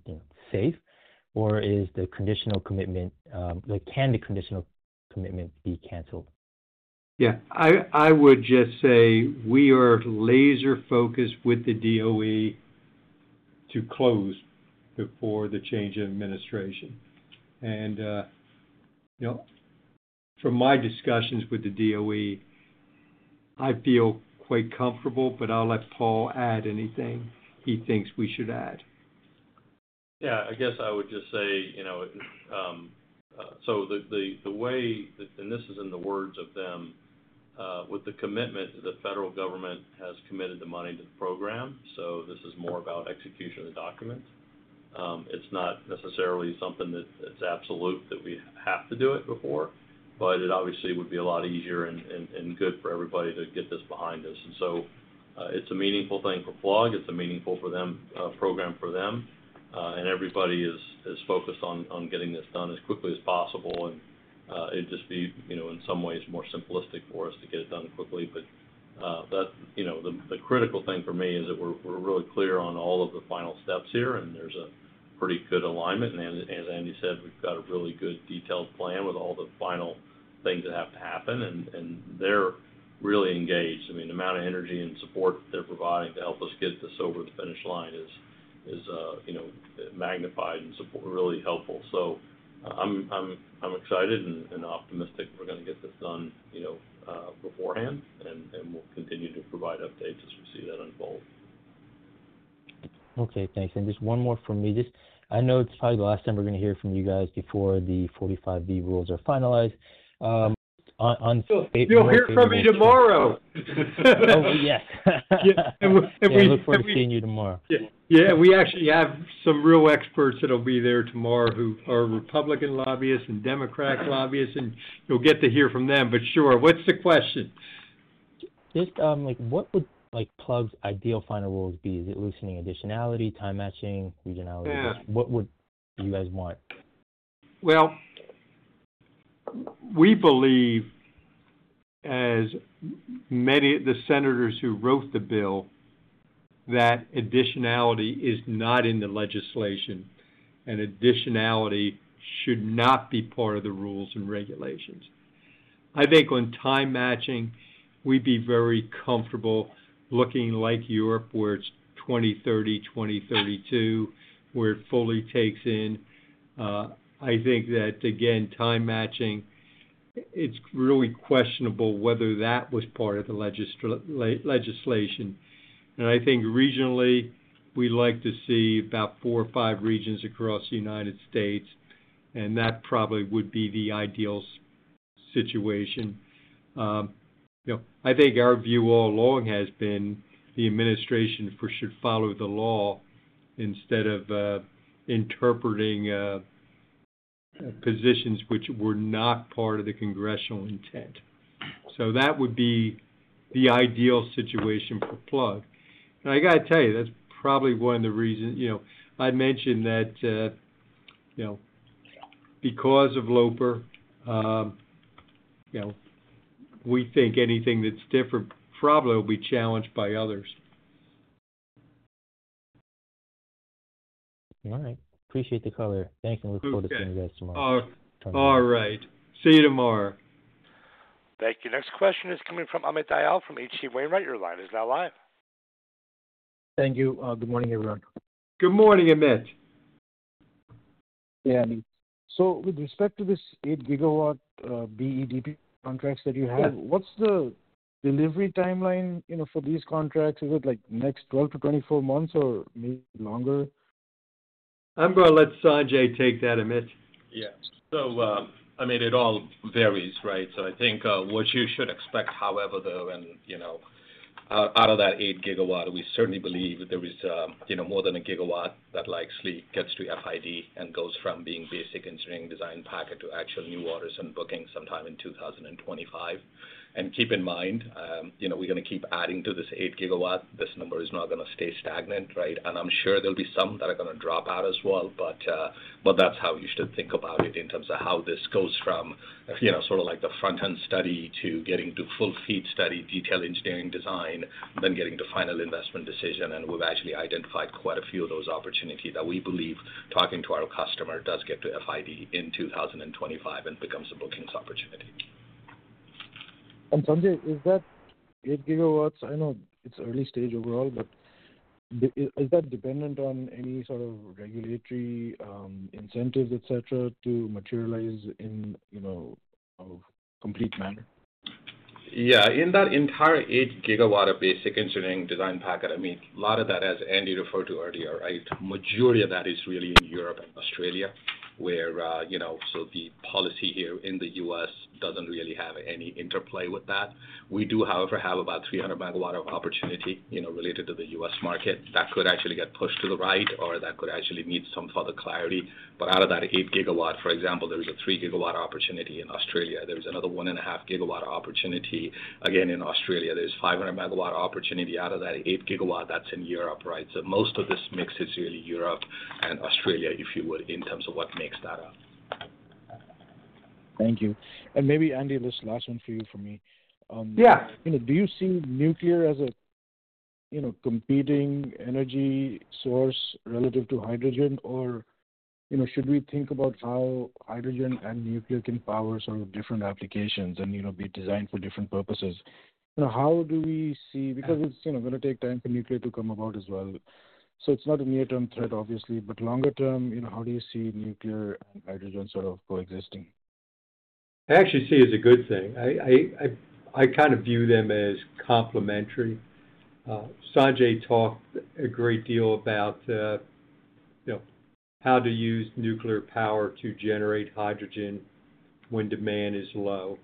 safe, or can the conditional commitment be canceled? Yeah. I would just say we are laser-focused with the DOE to close before the change of administration. And from my discussions with the DOE, I feel quite comfortable, but I'll let Paul add anything he thinks we should add. Yeah. I guess I would just say, so the way, and this is in the words of them, with the commitment that the federal government has committed the money to the program. So this is more about execution of the document. It's not necessarily something that's absolute that we have to do it before, but it obviously would be a lot easier and good for everybody to get this behind us. And so it's a meaningful thing for Plug. It's a meaningful program for them. And everybody is focused on getting this done as quickly as possible. And it'd just be, in some ways, more simplistic for us to get it done quickly. But the critical thing for me is that we're really clear on all of the final steps here, and there's a pretty good alignment. And as Andy said, we've got a really good detailed plan with all the final things that have to happen. And they're really engaged. I mean, the amount of energy and support they're providing to help us get this over the finish line is magnified and really helpful. So I'm excited and optimistic we're going to get this done beforehand, and we'll continue to provide updates as we see that unfold. Okay. Thanks, and just one more from me. I know it's probably the last time we're going to hear from you guys before the 45V rules are finalized. On. You'll hear from me tomorrow. Oh, yes. Yeah. I look forward to seeing you tomorrow. Yeah. We actually have some real experts that'll be there tomorrow who are Republican lobbyists and Democrat lobbyists, and you'll get to hear from them. But sure. What's the question? Just what would Plug's ideal final rules be? Is it loosening additionality, time matching, regionality? What would you guys want? We believe, as many of the senators who wrote the bill, that additionality is not in the legislation, and additionality should not be part of the rules and regulations. I think on time matching, we'd be very comfortable looking like Europe where it's 2030, 2032, where it fully takes in. I think that, again, time matching, it's really questionable whether that was part of the legislation. I think regionally, we'd like to see about four or five regions across the United States, and that probably would be the ideal situation. I think our view all along has been the administration should follow the law instead of interpreting positions which were not part of the congressional intent. That would be the ideal situation for Plug. I got to tell you, that's probably one of the reasons I mentioned that because of Loper, we think anything that's different probably will be challenged by others. All right. Appreciate the color. Thanks, and look forward to seeing you guys tomorrow. All right. See you tomorrow. Thank you. Next question is coming from Amit Dayal from H.C. Wainwright. Your line is now live. Thank you. Good morning, everyone. Good morning, Amit. Yeah. So with respect to this 8-GW BEDP contracts that you have, what's the delivery timeline for these contracts? Is it next 12 months-24 months or maybe longer? I'm going to let Sanjay take that, Amit. Yeah. So I mean, it all varies, right? So I think what you should expect, however, though, and out of that 8-GW, we certainly believe there is more than a GW that likely gets to FID and goes from being Basic Engineering Design Package to actual new orders and bookings sometime in 2025. And keep in mind, we're going to keep adding to this 8-GW. This number is not going to stay stagnant, right? And I'm sure there'll be some that are going to drop out as well. But that's how you should think about it in terms of how this goes from sort of like the front-end study to getting to full FEED study, detailed engineering design, then getting to final investment decision. We've actually identified quite a few of those opportunities that we believe talking to our customer does get to FID in 2025 and becomes a bookings opportunity. Is that 8 GW? I know it's early stage overall, but is that dependent on any sort of regulatory incentives, etc., to materialize in a complete manner? Yeah. In that entire 8 GW of Basic Engineering Design Package, I mean, a lot of that, as Andy referred to earlier, right, the majority of that is really in Europe and Australia, where so the policy here in the U.S. doesn't really have any interplay with that. We do, however, have about 300 MW of opportunity related to the U.S. market that could actually get pushed to the right or that could actually need some further clarity. But out of that 8 GW, for example, there's a 3 GW opportunity in Australia. There's another 1.5 GW opportunity. Again, in Australia, there's 500 MW opportunity. Out of that 8 GW, that's in Europe, right? So most of this mix is really Europe and Australia, if you would, in terms of what makes that up. Thank you. And maybe, Andy, this last one for you from me. Do you see nuclear as a competing energy source relative to hydrogen, or should we think about how hydrogen and nuclear can power sort of different applications and be designed for different purposes? How do we see, because it's going to take time for nuclear to come about as well. So it's not a near-term threat, obviously, but longer-term, how do you see nuclear and hydrogen sort of coexisting? I actually see it as a good thing. I kind of view them as complementary. Sanjay talked a great deal about how to use nuclear power to generate hydrogen when demand is low.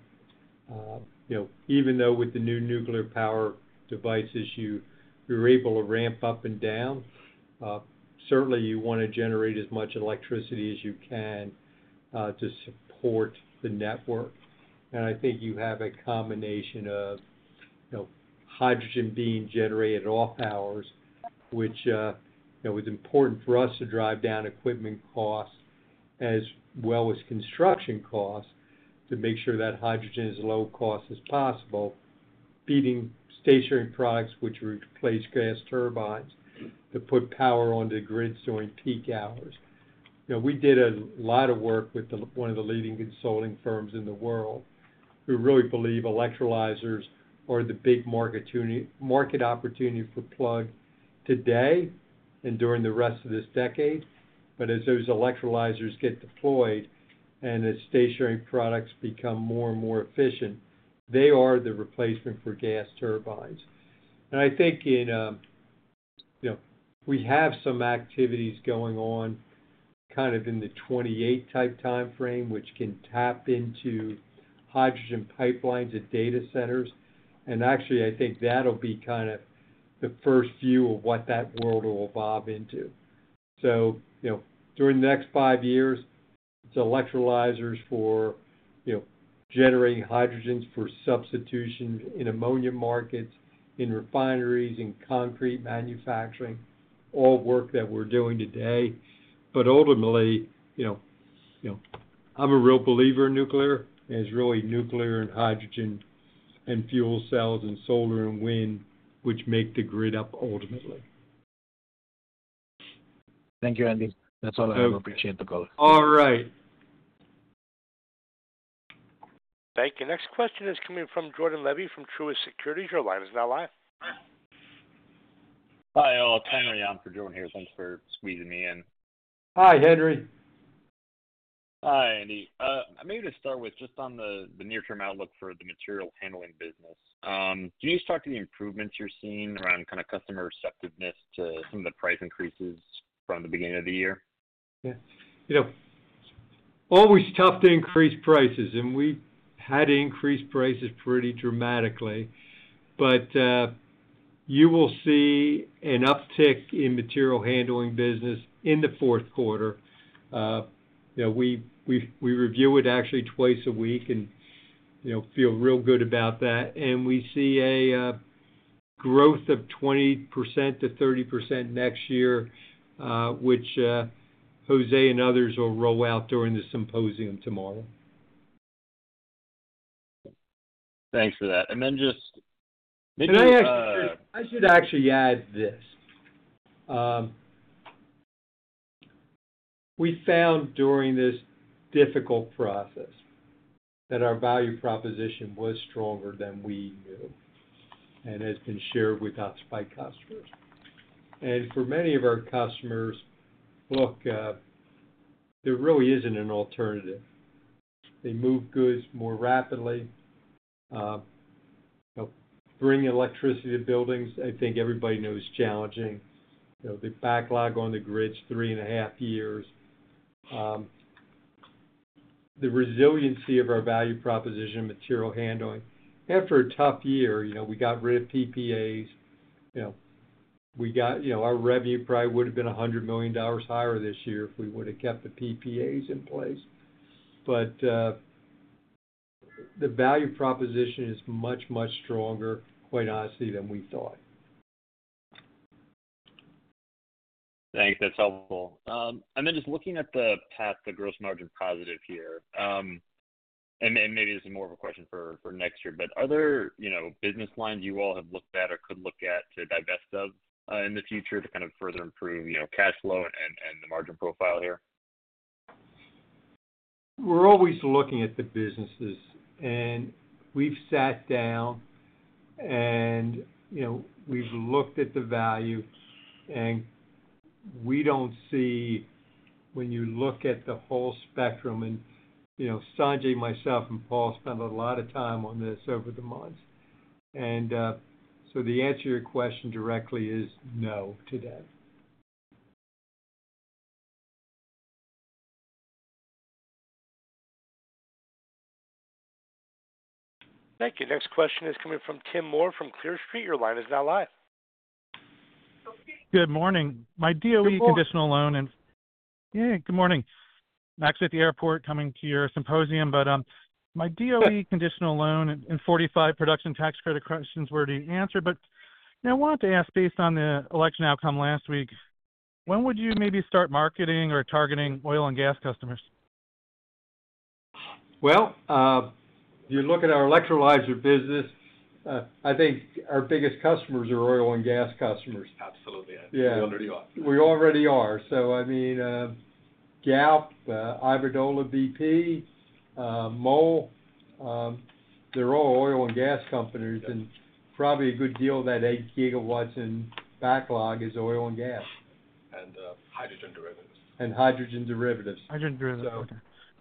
Even though with the new nuclear power devices, you're able to ramp up and down, certainly, you want to generate as much electricity as you can to support the network. And I think you have a combination of hydrogen being generated off hours, which was important for us to drive down equipment costs as well as construction costs to make sure that hydrogen is as low cost as possible, feeding stationary products, which replace gas turbines, to put power onto the grids during peak hours. We did a lot of work with one of the leading consulting firms in the world. We really believe electrolyzers are the big market opportunity for Plug today and during the rest of this decade, but as those electrolyzers get deployed and as stationary products become more and more efficient, they are the replacement for gas turbines, and I think we have some activities going on kind of in the 2028-type timeframe, which can tap into hydrogen pipelines at data centers, and actually, I think that'll be kind of the first view of what that world will evolve into, so during the next five years, it's electrolyzers for generating hydrogens for substitution in ammonia markets, in refineries, in concrete manufacturing, all work that we're doing today, but ultimately, I'm a real believer in nuclear. It's really nuclear and hydrogen and fuel cells and solar and wind, which make the grid up ultimately. Thank you, Andy. That's all I have. Appreciate the call. All right. Thank you. Next question is coming from Jordan Levy from Truist Securities. Your line is now live. Hi, all. Henry, I'm for Jordan here. Thanks for squeezing me in. Hi, Henry. Hi, Andy. I'm going to start with just on the near-term outlook for the material handling business. Can you just talk to the improvements you're seeing around kind of customer receptiveness to some of the price increases from the beginning of the year? Yeah. Always tough to increase prices, and we had to increase prices pretty dramatically. But you will see an uptick in material handling business in the fourth quarter. We review it actually twice a week and feel real good about that. And we see a growth of 20%-30% next year, which José and others will roll out during the symposium tomorrow. Thanks for that. Then just maybe. Can I ask? I should actually add this. We found during this difficult process that our value proposition was stronger than we knew and has been shared with our key customers. And for many of our customers, look, there really isn't an alternative. They move goods more rapidly, bring electricity to buildings. I think everybody knows it's challenging. The backlog on the grid's three and a half years. The resiliency of our value proposition, material handling. After a tough year, we got rid of PPAs. We got our revenue probably would have been $100 million higher this year if we would have kept the PPAs in place. But the value proposition is much, much stronger, quite honestly, than we thought. Thanks. That's helpful. And then just looking at the path to gross margin positive here, and maybe this is more of a question for next year, but are there business lines you all have looked at or could look at to divest of in the future to kind of further improve cash flow and the margin profile here? We're always looking at the businesses, and we've sat down and we've looked at the value, and we don't see when you look at the whole spectrum. And Sanjay, myself, and Paul spent a lot of time on this over the months. And so the answer to your question directly is no today. Thank you. Next question is coming from Tim Moore from Clear Street. Your line is now live. Good morning. My DOE conditional loan and. Hey. Yeah. Good morning. I'm at the airport coming to your symposium. But my DOE conditional loan and 45V production tax credit questions were to answer, but I wanted to ask, based on the election outcome last week, when would you maybe start marketing or targeting oil and gas customers? You look at our electrolyzer business. I think our biggest customers are oil and gas customers. Absolutely. We already are. Yeah. We already are. So I mean, Galp, Iberdrola, BP, MOL, they're all oil and gas companies. And probably a good deal of that 8 GW in backlog is oil and gas. And hydrogen derivatives. Hydrogen derivatives. Hydrogen derivatives. Okay.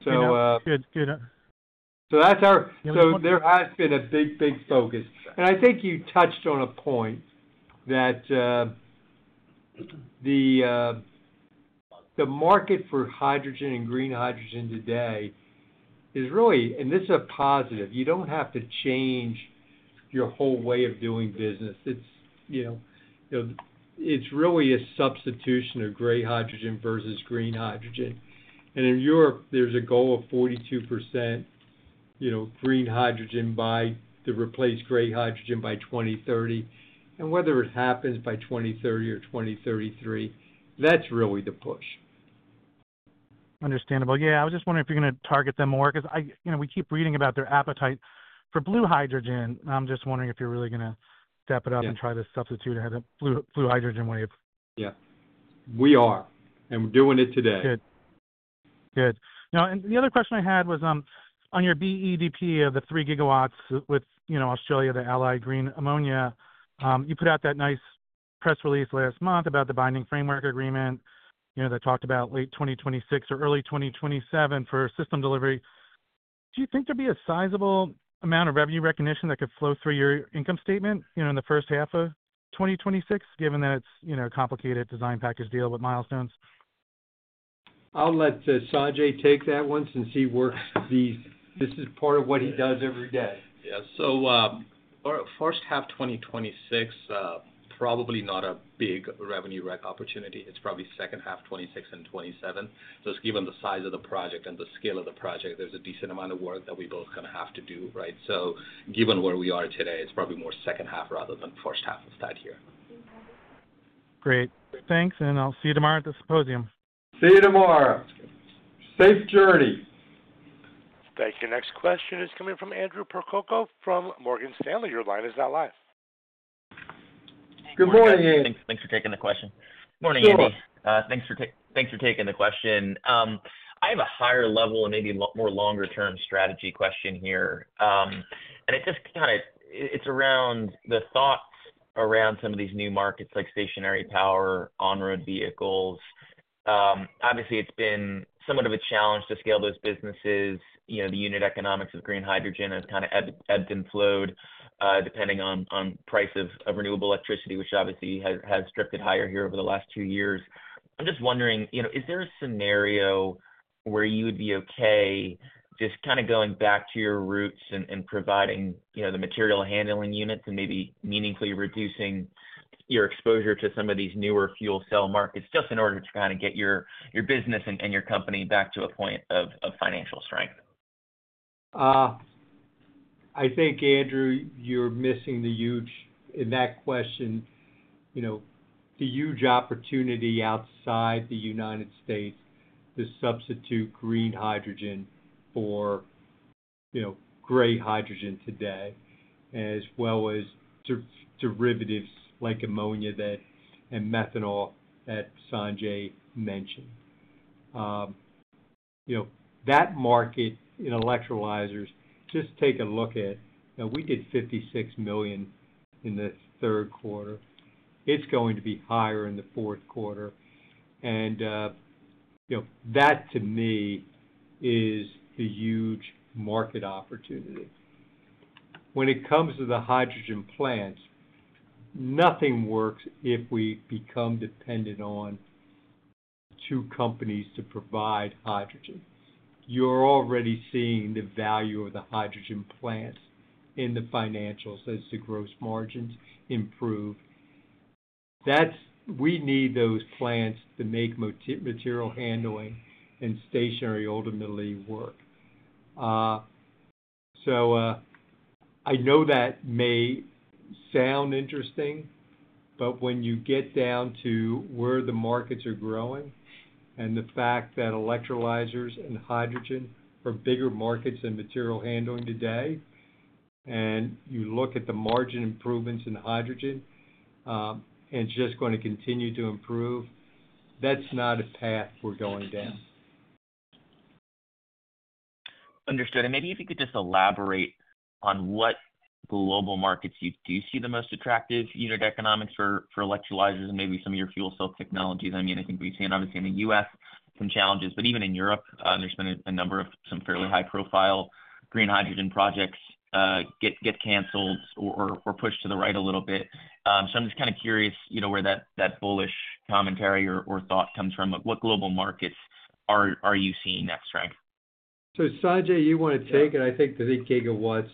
So good. There has been a big, big focus. I think you touched on a point that the market for hydrogen and green hydrogen today is really, and this is a positive, you don't have to change your whole way of doing business. It's really a substitution of gray hydrogen versus green hydrogen. In Europe, there's a goal of 42% green hydrogen to replace gray hydrogen by 2030. Whether it happens by 2030 or 2033, that's really the push. Understandable. Yeah. I was just wondering if you're going to target them more because we keep reading about their appetite for blue hydrogen. I'm just wondering if you're really going to step it up and try to substitute a blue hydrogen wave. Yeah. We are, and we're doing it today. Good. Good. Now, the other question I had was on your BEDP of the 3 GW with Australia, the Allied Green Ammonia. You put out that nice press release last month about the binding framework agreement that talked about late 2026 or early 2027 for system delivery. Do you think there'd be a sizable amount of revenue recognition that could flow through your income statement in the first half of 2026, given that it's a complicated design package deal with milestones? I'll let Sanjay take that one since he works these. This is part of what he does every day. Yeah. So first half 2026, probably not a big revenue rec opportunity. It's probably second half 2026 and 2027. Just given the size of the project and the scale of the project, there's a decent amount of work that we both kind of have to do, right? So given where we are today, it's probably more second half rather than first half of that year. Great. Thanks. And I'll see you tomorrow at the symposium. See you tomorrow. Safe journey. Thank you. Next question is coming from Andrew Percoco from Morgan Stanley. Your line is now live. Good morning, Andy. Thanks for taking the question. Morning. Hey, Andy. Thanks for taking the question. I have a higher level and maybe a more longer-term strategy question here, and it's just kind of, it's around the thoughts around some of these new markets like stationary power, on-road vehicles. Obviously, it's been somewhat of a challenge to scale those businesses. The unit economics of green hydrogen has kind of ebbed and flowed depending on price of renewable electricity, which obviously has drifted higher here over the last two years. I'm just wondering, is there a scenario where you would be okay just kind of going back to your roots and providing the material handling units and maybe meaningfully reducing your exposure to some of these newer fuel cell markets just in order to kind of get your business and your company back to a point of financial strength? I think, Andrew, you're missing the huge, in that question, the huge opportunity outside the United States to substitute green hydrogen for gray hydrogen today, as well as derivatives like ammonia and methanol that Sanjay mentioned. That market in electrolyzers, just take a look at, we did $56 million in the third quarter. It's going to be higher in the fourth quarter. And that, to me, is the huge market opportunity. When it comes to the hydrogen plants, nothing works if we become dependent on two companies to provide hydrogen. You're already seeing the value of the hydrogen plants in the financials as the gross margins improve. We need those plants to make material handling and stationary ultimately work. So I know that may sound interesting, but when you get down to where the markets are growing and the fact that electrolyzers and hydrogen are bigger markets in material handling today, and you look at the margin improvements in hydrogen, and it's just going to continue to improve, that's not a path we're going down. Understood. And maybe if you could just elaborate on what global markets you do see the most attractive unit economics for electrolyzers and maybe some of your fuel cell technologies. I mean, I think we've seen, obviously, in the U.S., some challenges. But even in Europe, there's been a number of some fairly high-profile green hydrogen projects get canceled or pushed to the right a little bit. So I'm just kind of curious where that bullish commentary or thought comes from. What global markets are you seeing that strength? Sanjay, you want to take it. I think the 8 GW of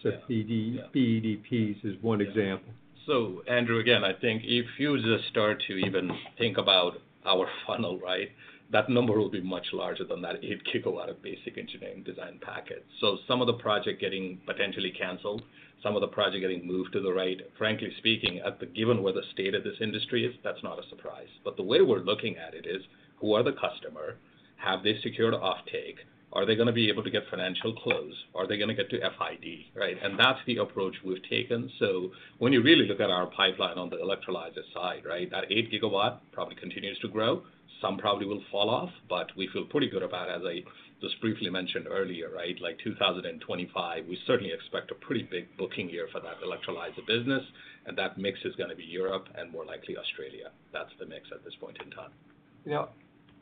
BEDPs is one example. So Andrew, again, I think if you just start to even think about our funnel, right, that number will be much larger than that 8-GW of basic design and engineering packages. Some of the projects getting potentially canceled, some of the projects getting moved to the right. Frankly speaking, given where the state of this industry is, that's not a surprise. But the way we're looking at it is, who are the customers? Have they secured offtake? Are they going to be able to get financial close? Are they going to get to FID? Right? And that's the approach we've taken. So when you really look at our pipeline on the electrolyzer side, right, that 8-GW probably continues to grow. Some probably will fall off, but we feel pretty good about, as I just briefly mentioned earlier, right, like 2025, we certainly expect a pretty big booking year for that electrolyzer business, and that mix is going to be Europe and more likely Australia. That's the mix at this point in time.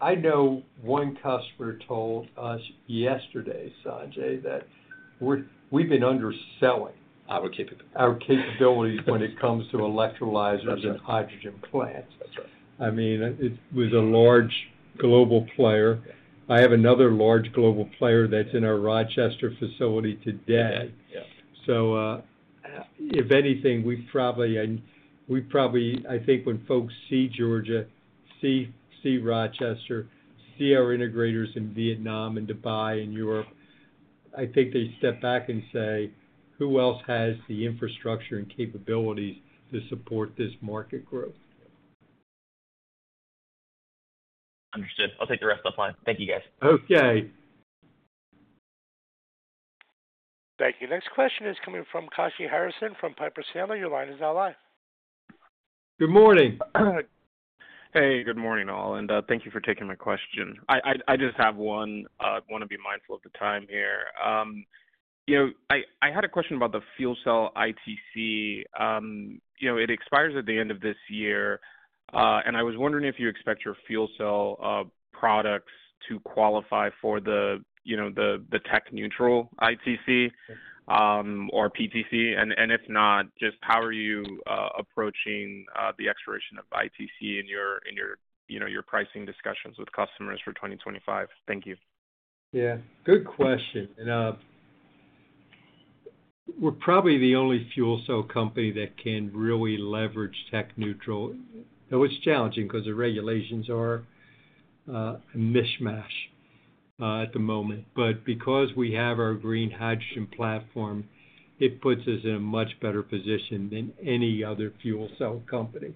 I know one customer told us yesterday, Sanjay, that we've been underselling. Our capabilities. Our capabilities when it comes to electrolyzers and hydrogen plants. That's right. I mean, it was a large global player. I have another large global player that's in our Rochester facility today. So if anything, we probably—I think when folks see Georgia, see Rochester, see our integrators in Vietnam and Dubai and Europe, I think they step back and say, "Who else has the infrastructure and capabilities to support this market growth? Understood. I'll take the rest offline. Thank you, guys. Okay. Thank you. Next question is coming from Kashy Harrison from Piper Sandler. Your line is now live. Good morning. Hey. Good morning, all, and thank you for taking my question. I just have one—I want to be mindful of the time here. I had a question about the fuel cell ITC. It expires at the end of this year, and I was wondering if you expect your fuel cell products to qualify for the tech-neutral ITC or PTC, and if not, just how are you approaching the expiration of ITC in your pricing discussions with customers for 2025? Thank you. Yeah. Good question. We're probably the only fuel cell company that can really leverage tech-neutral. It was challenging because the regulations are a mishmash at the moment. But because we have our green hydrogen platform, it puts us in a much better position than any other fuel cell company.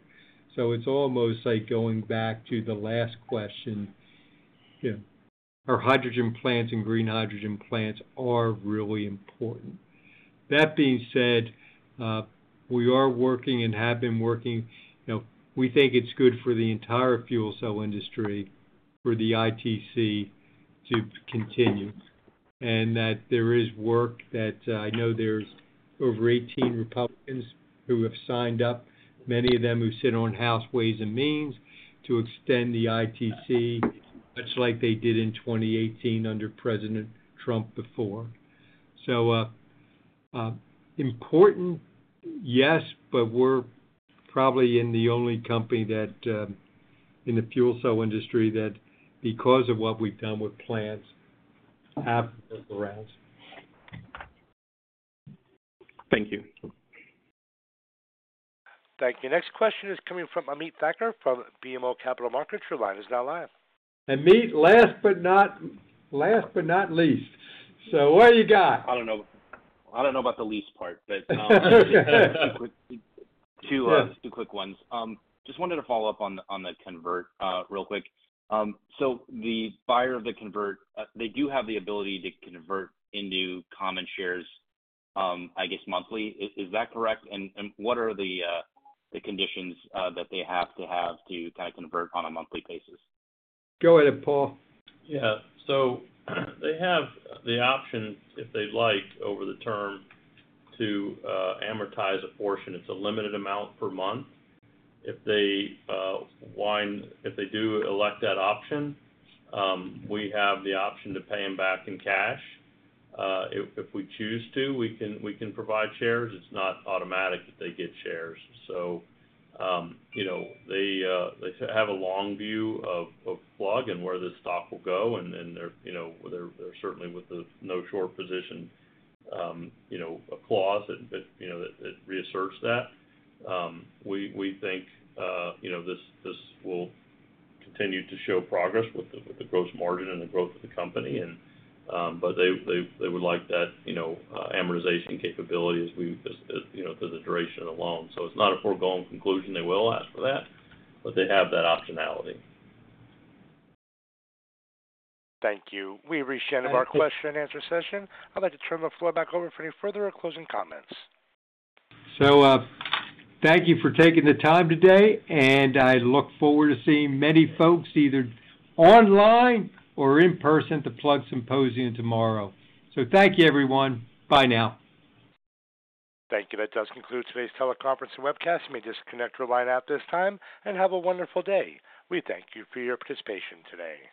So it's almost like going back to the last question. Our hydrogen plants and green hydrogen plants are really important. That being said, we are working and have been working. We think it's good for the entire fuel cell industry, for the ITC to continue, and that there is work that I know there's over 18 Republicans who have signed up, many of them who sit on House Ways and Means, to extend the ITC much like they did in 2018 under President Trump before. So important, yes, but we're probably the only company in the fuel cell industry that, because of what we've done with plants, have worked around. Thank you. Thank you. Next question is coming from Ameet Thakkar from BMO Capital Markets. Your line is now live. Amit, last but not least. So what do you got? I don't know about the least part, but two quick ones. Just wanted to follow up on the convert real quick. So the buyer of the convert, they do have the ability to convert into common shares, I guess, monthly. Is that correct? And what are the conditions that they have to have to kind of convert on a monthly basis? Go ahead, Paul. Yeah. So they have the option, if they'd like, over the term to amortize a portion. It's a limited amount per month. If they do elect that option, we have the option to pay them back in cash. If we choose to, we can provide shares. It's not automatic that they get shares. So they have a long view of Plug and where the stock will go. And they're certainly with the no short position clause that reasserts that. We think this will continue to show progress with the gross margin and the growth of the company. But they would like that amortization capability as we just through the duration alone. So it's not a foregone conclusion they will ask for that, but they have that optionality. Thank you. We reached the end of our question and answer session. I'd like to turn the floor back over for any further or closing comments. Thank you for taking the time today. I look forward to seeing many folks either online or in person at the Plug Symposium tomorrow. Thank you, everyone. Bye now. Thank you. That does conclude today's teleconference and webcast. You may disconnect or line out at this time and have a wonderful day. We thank you for your participation today.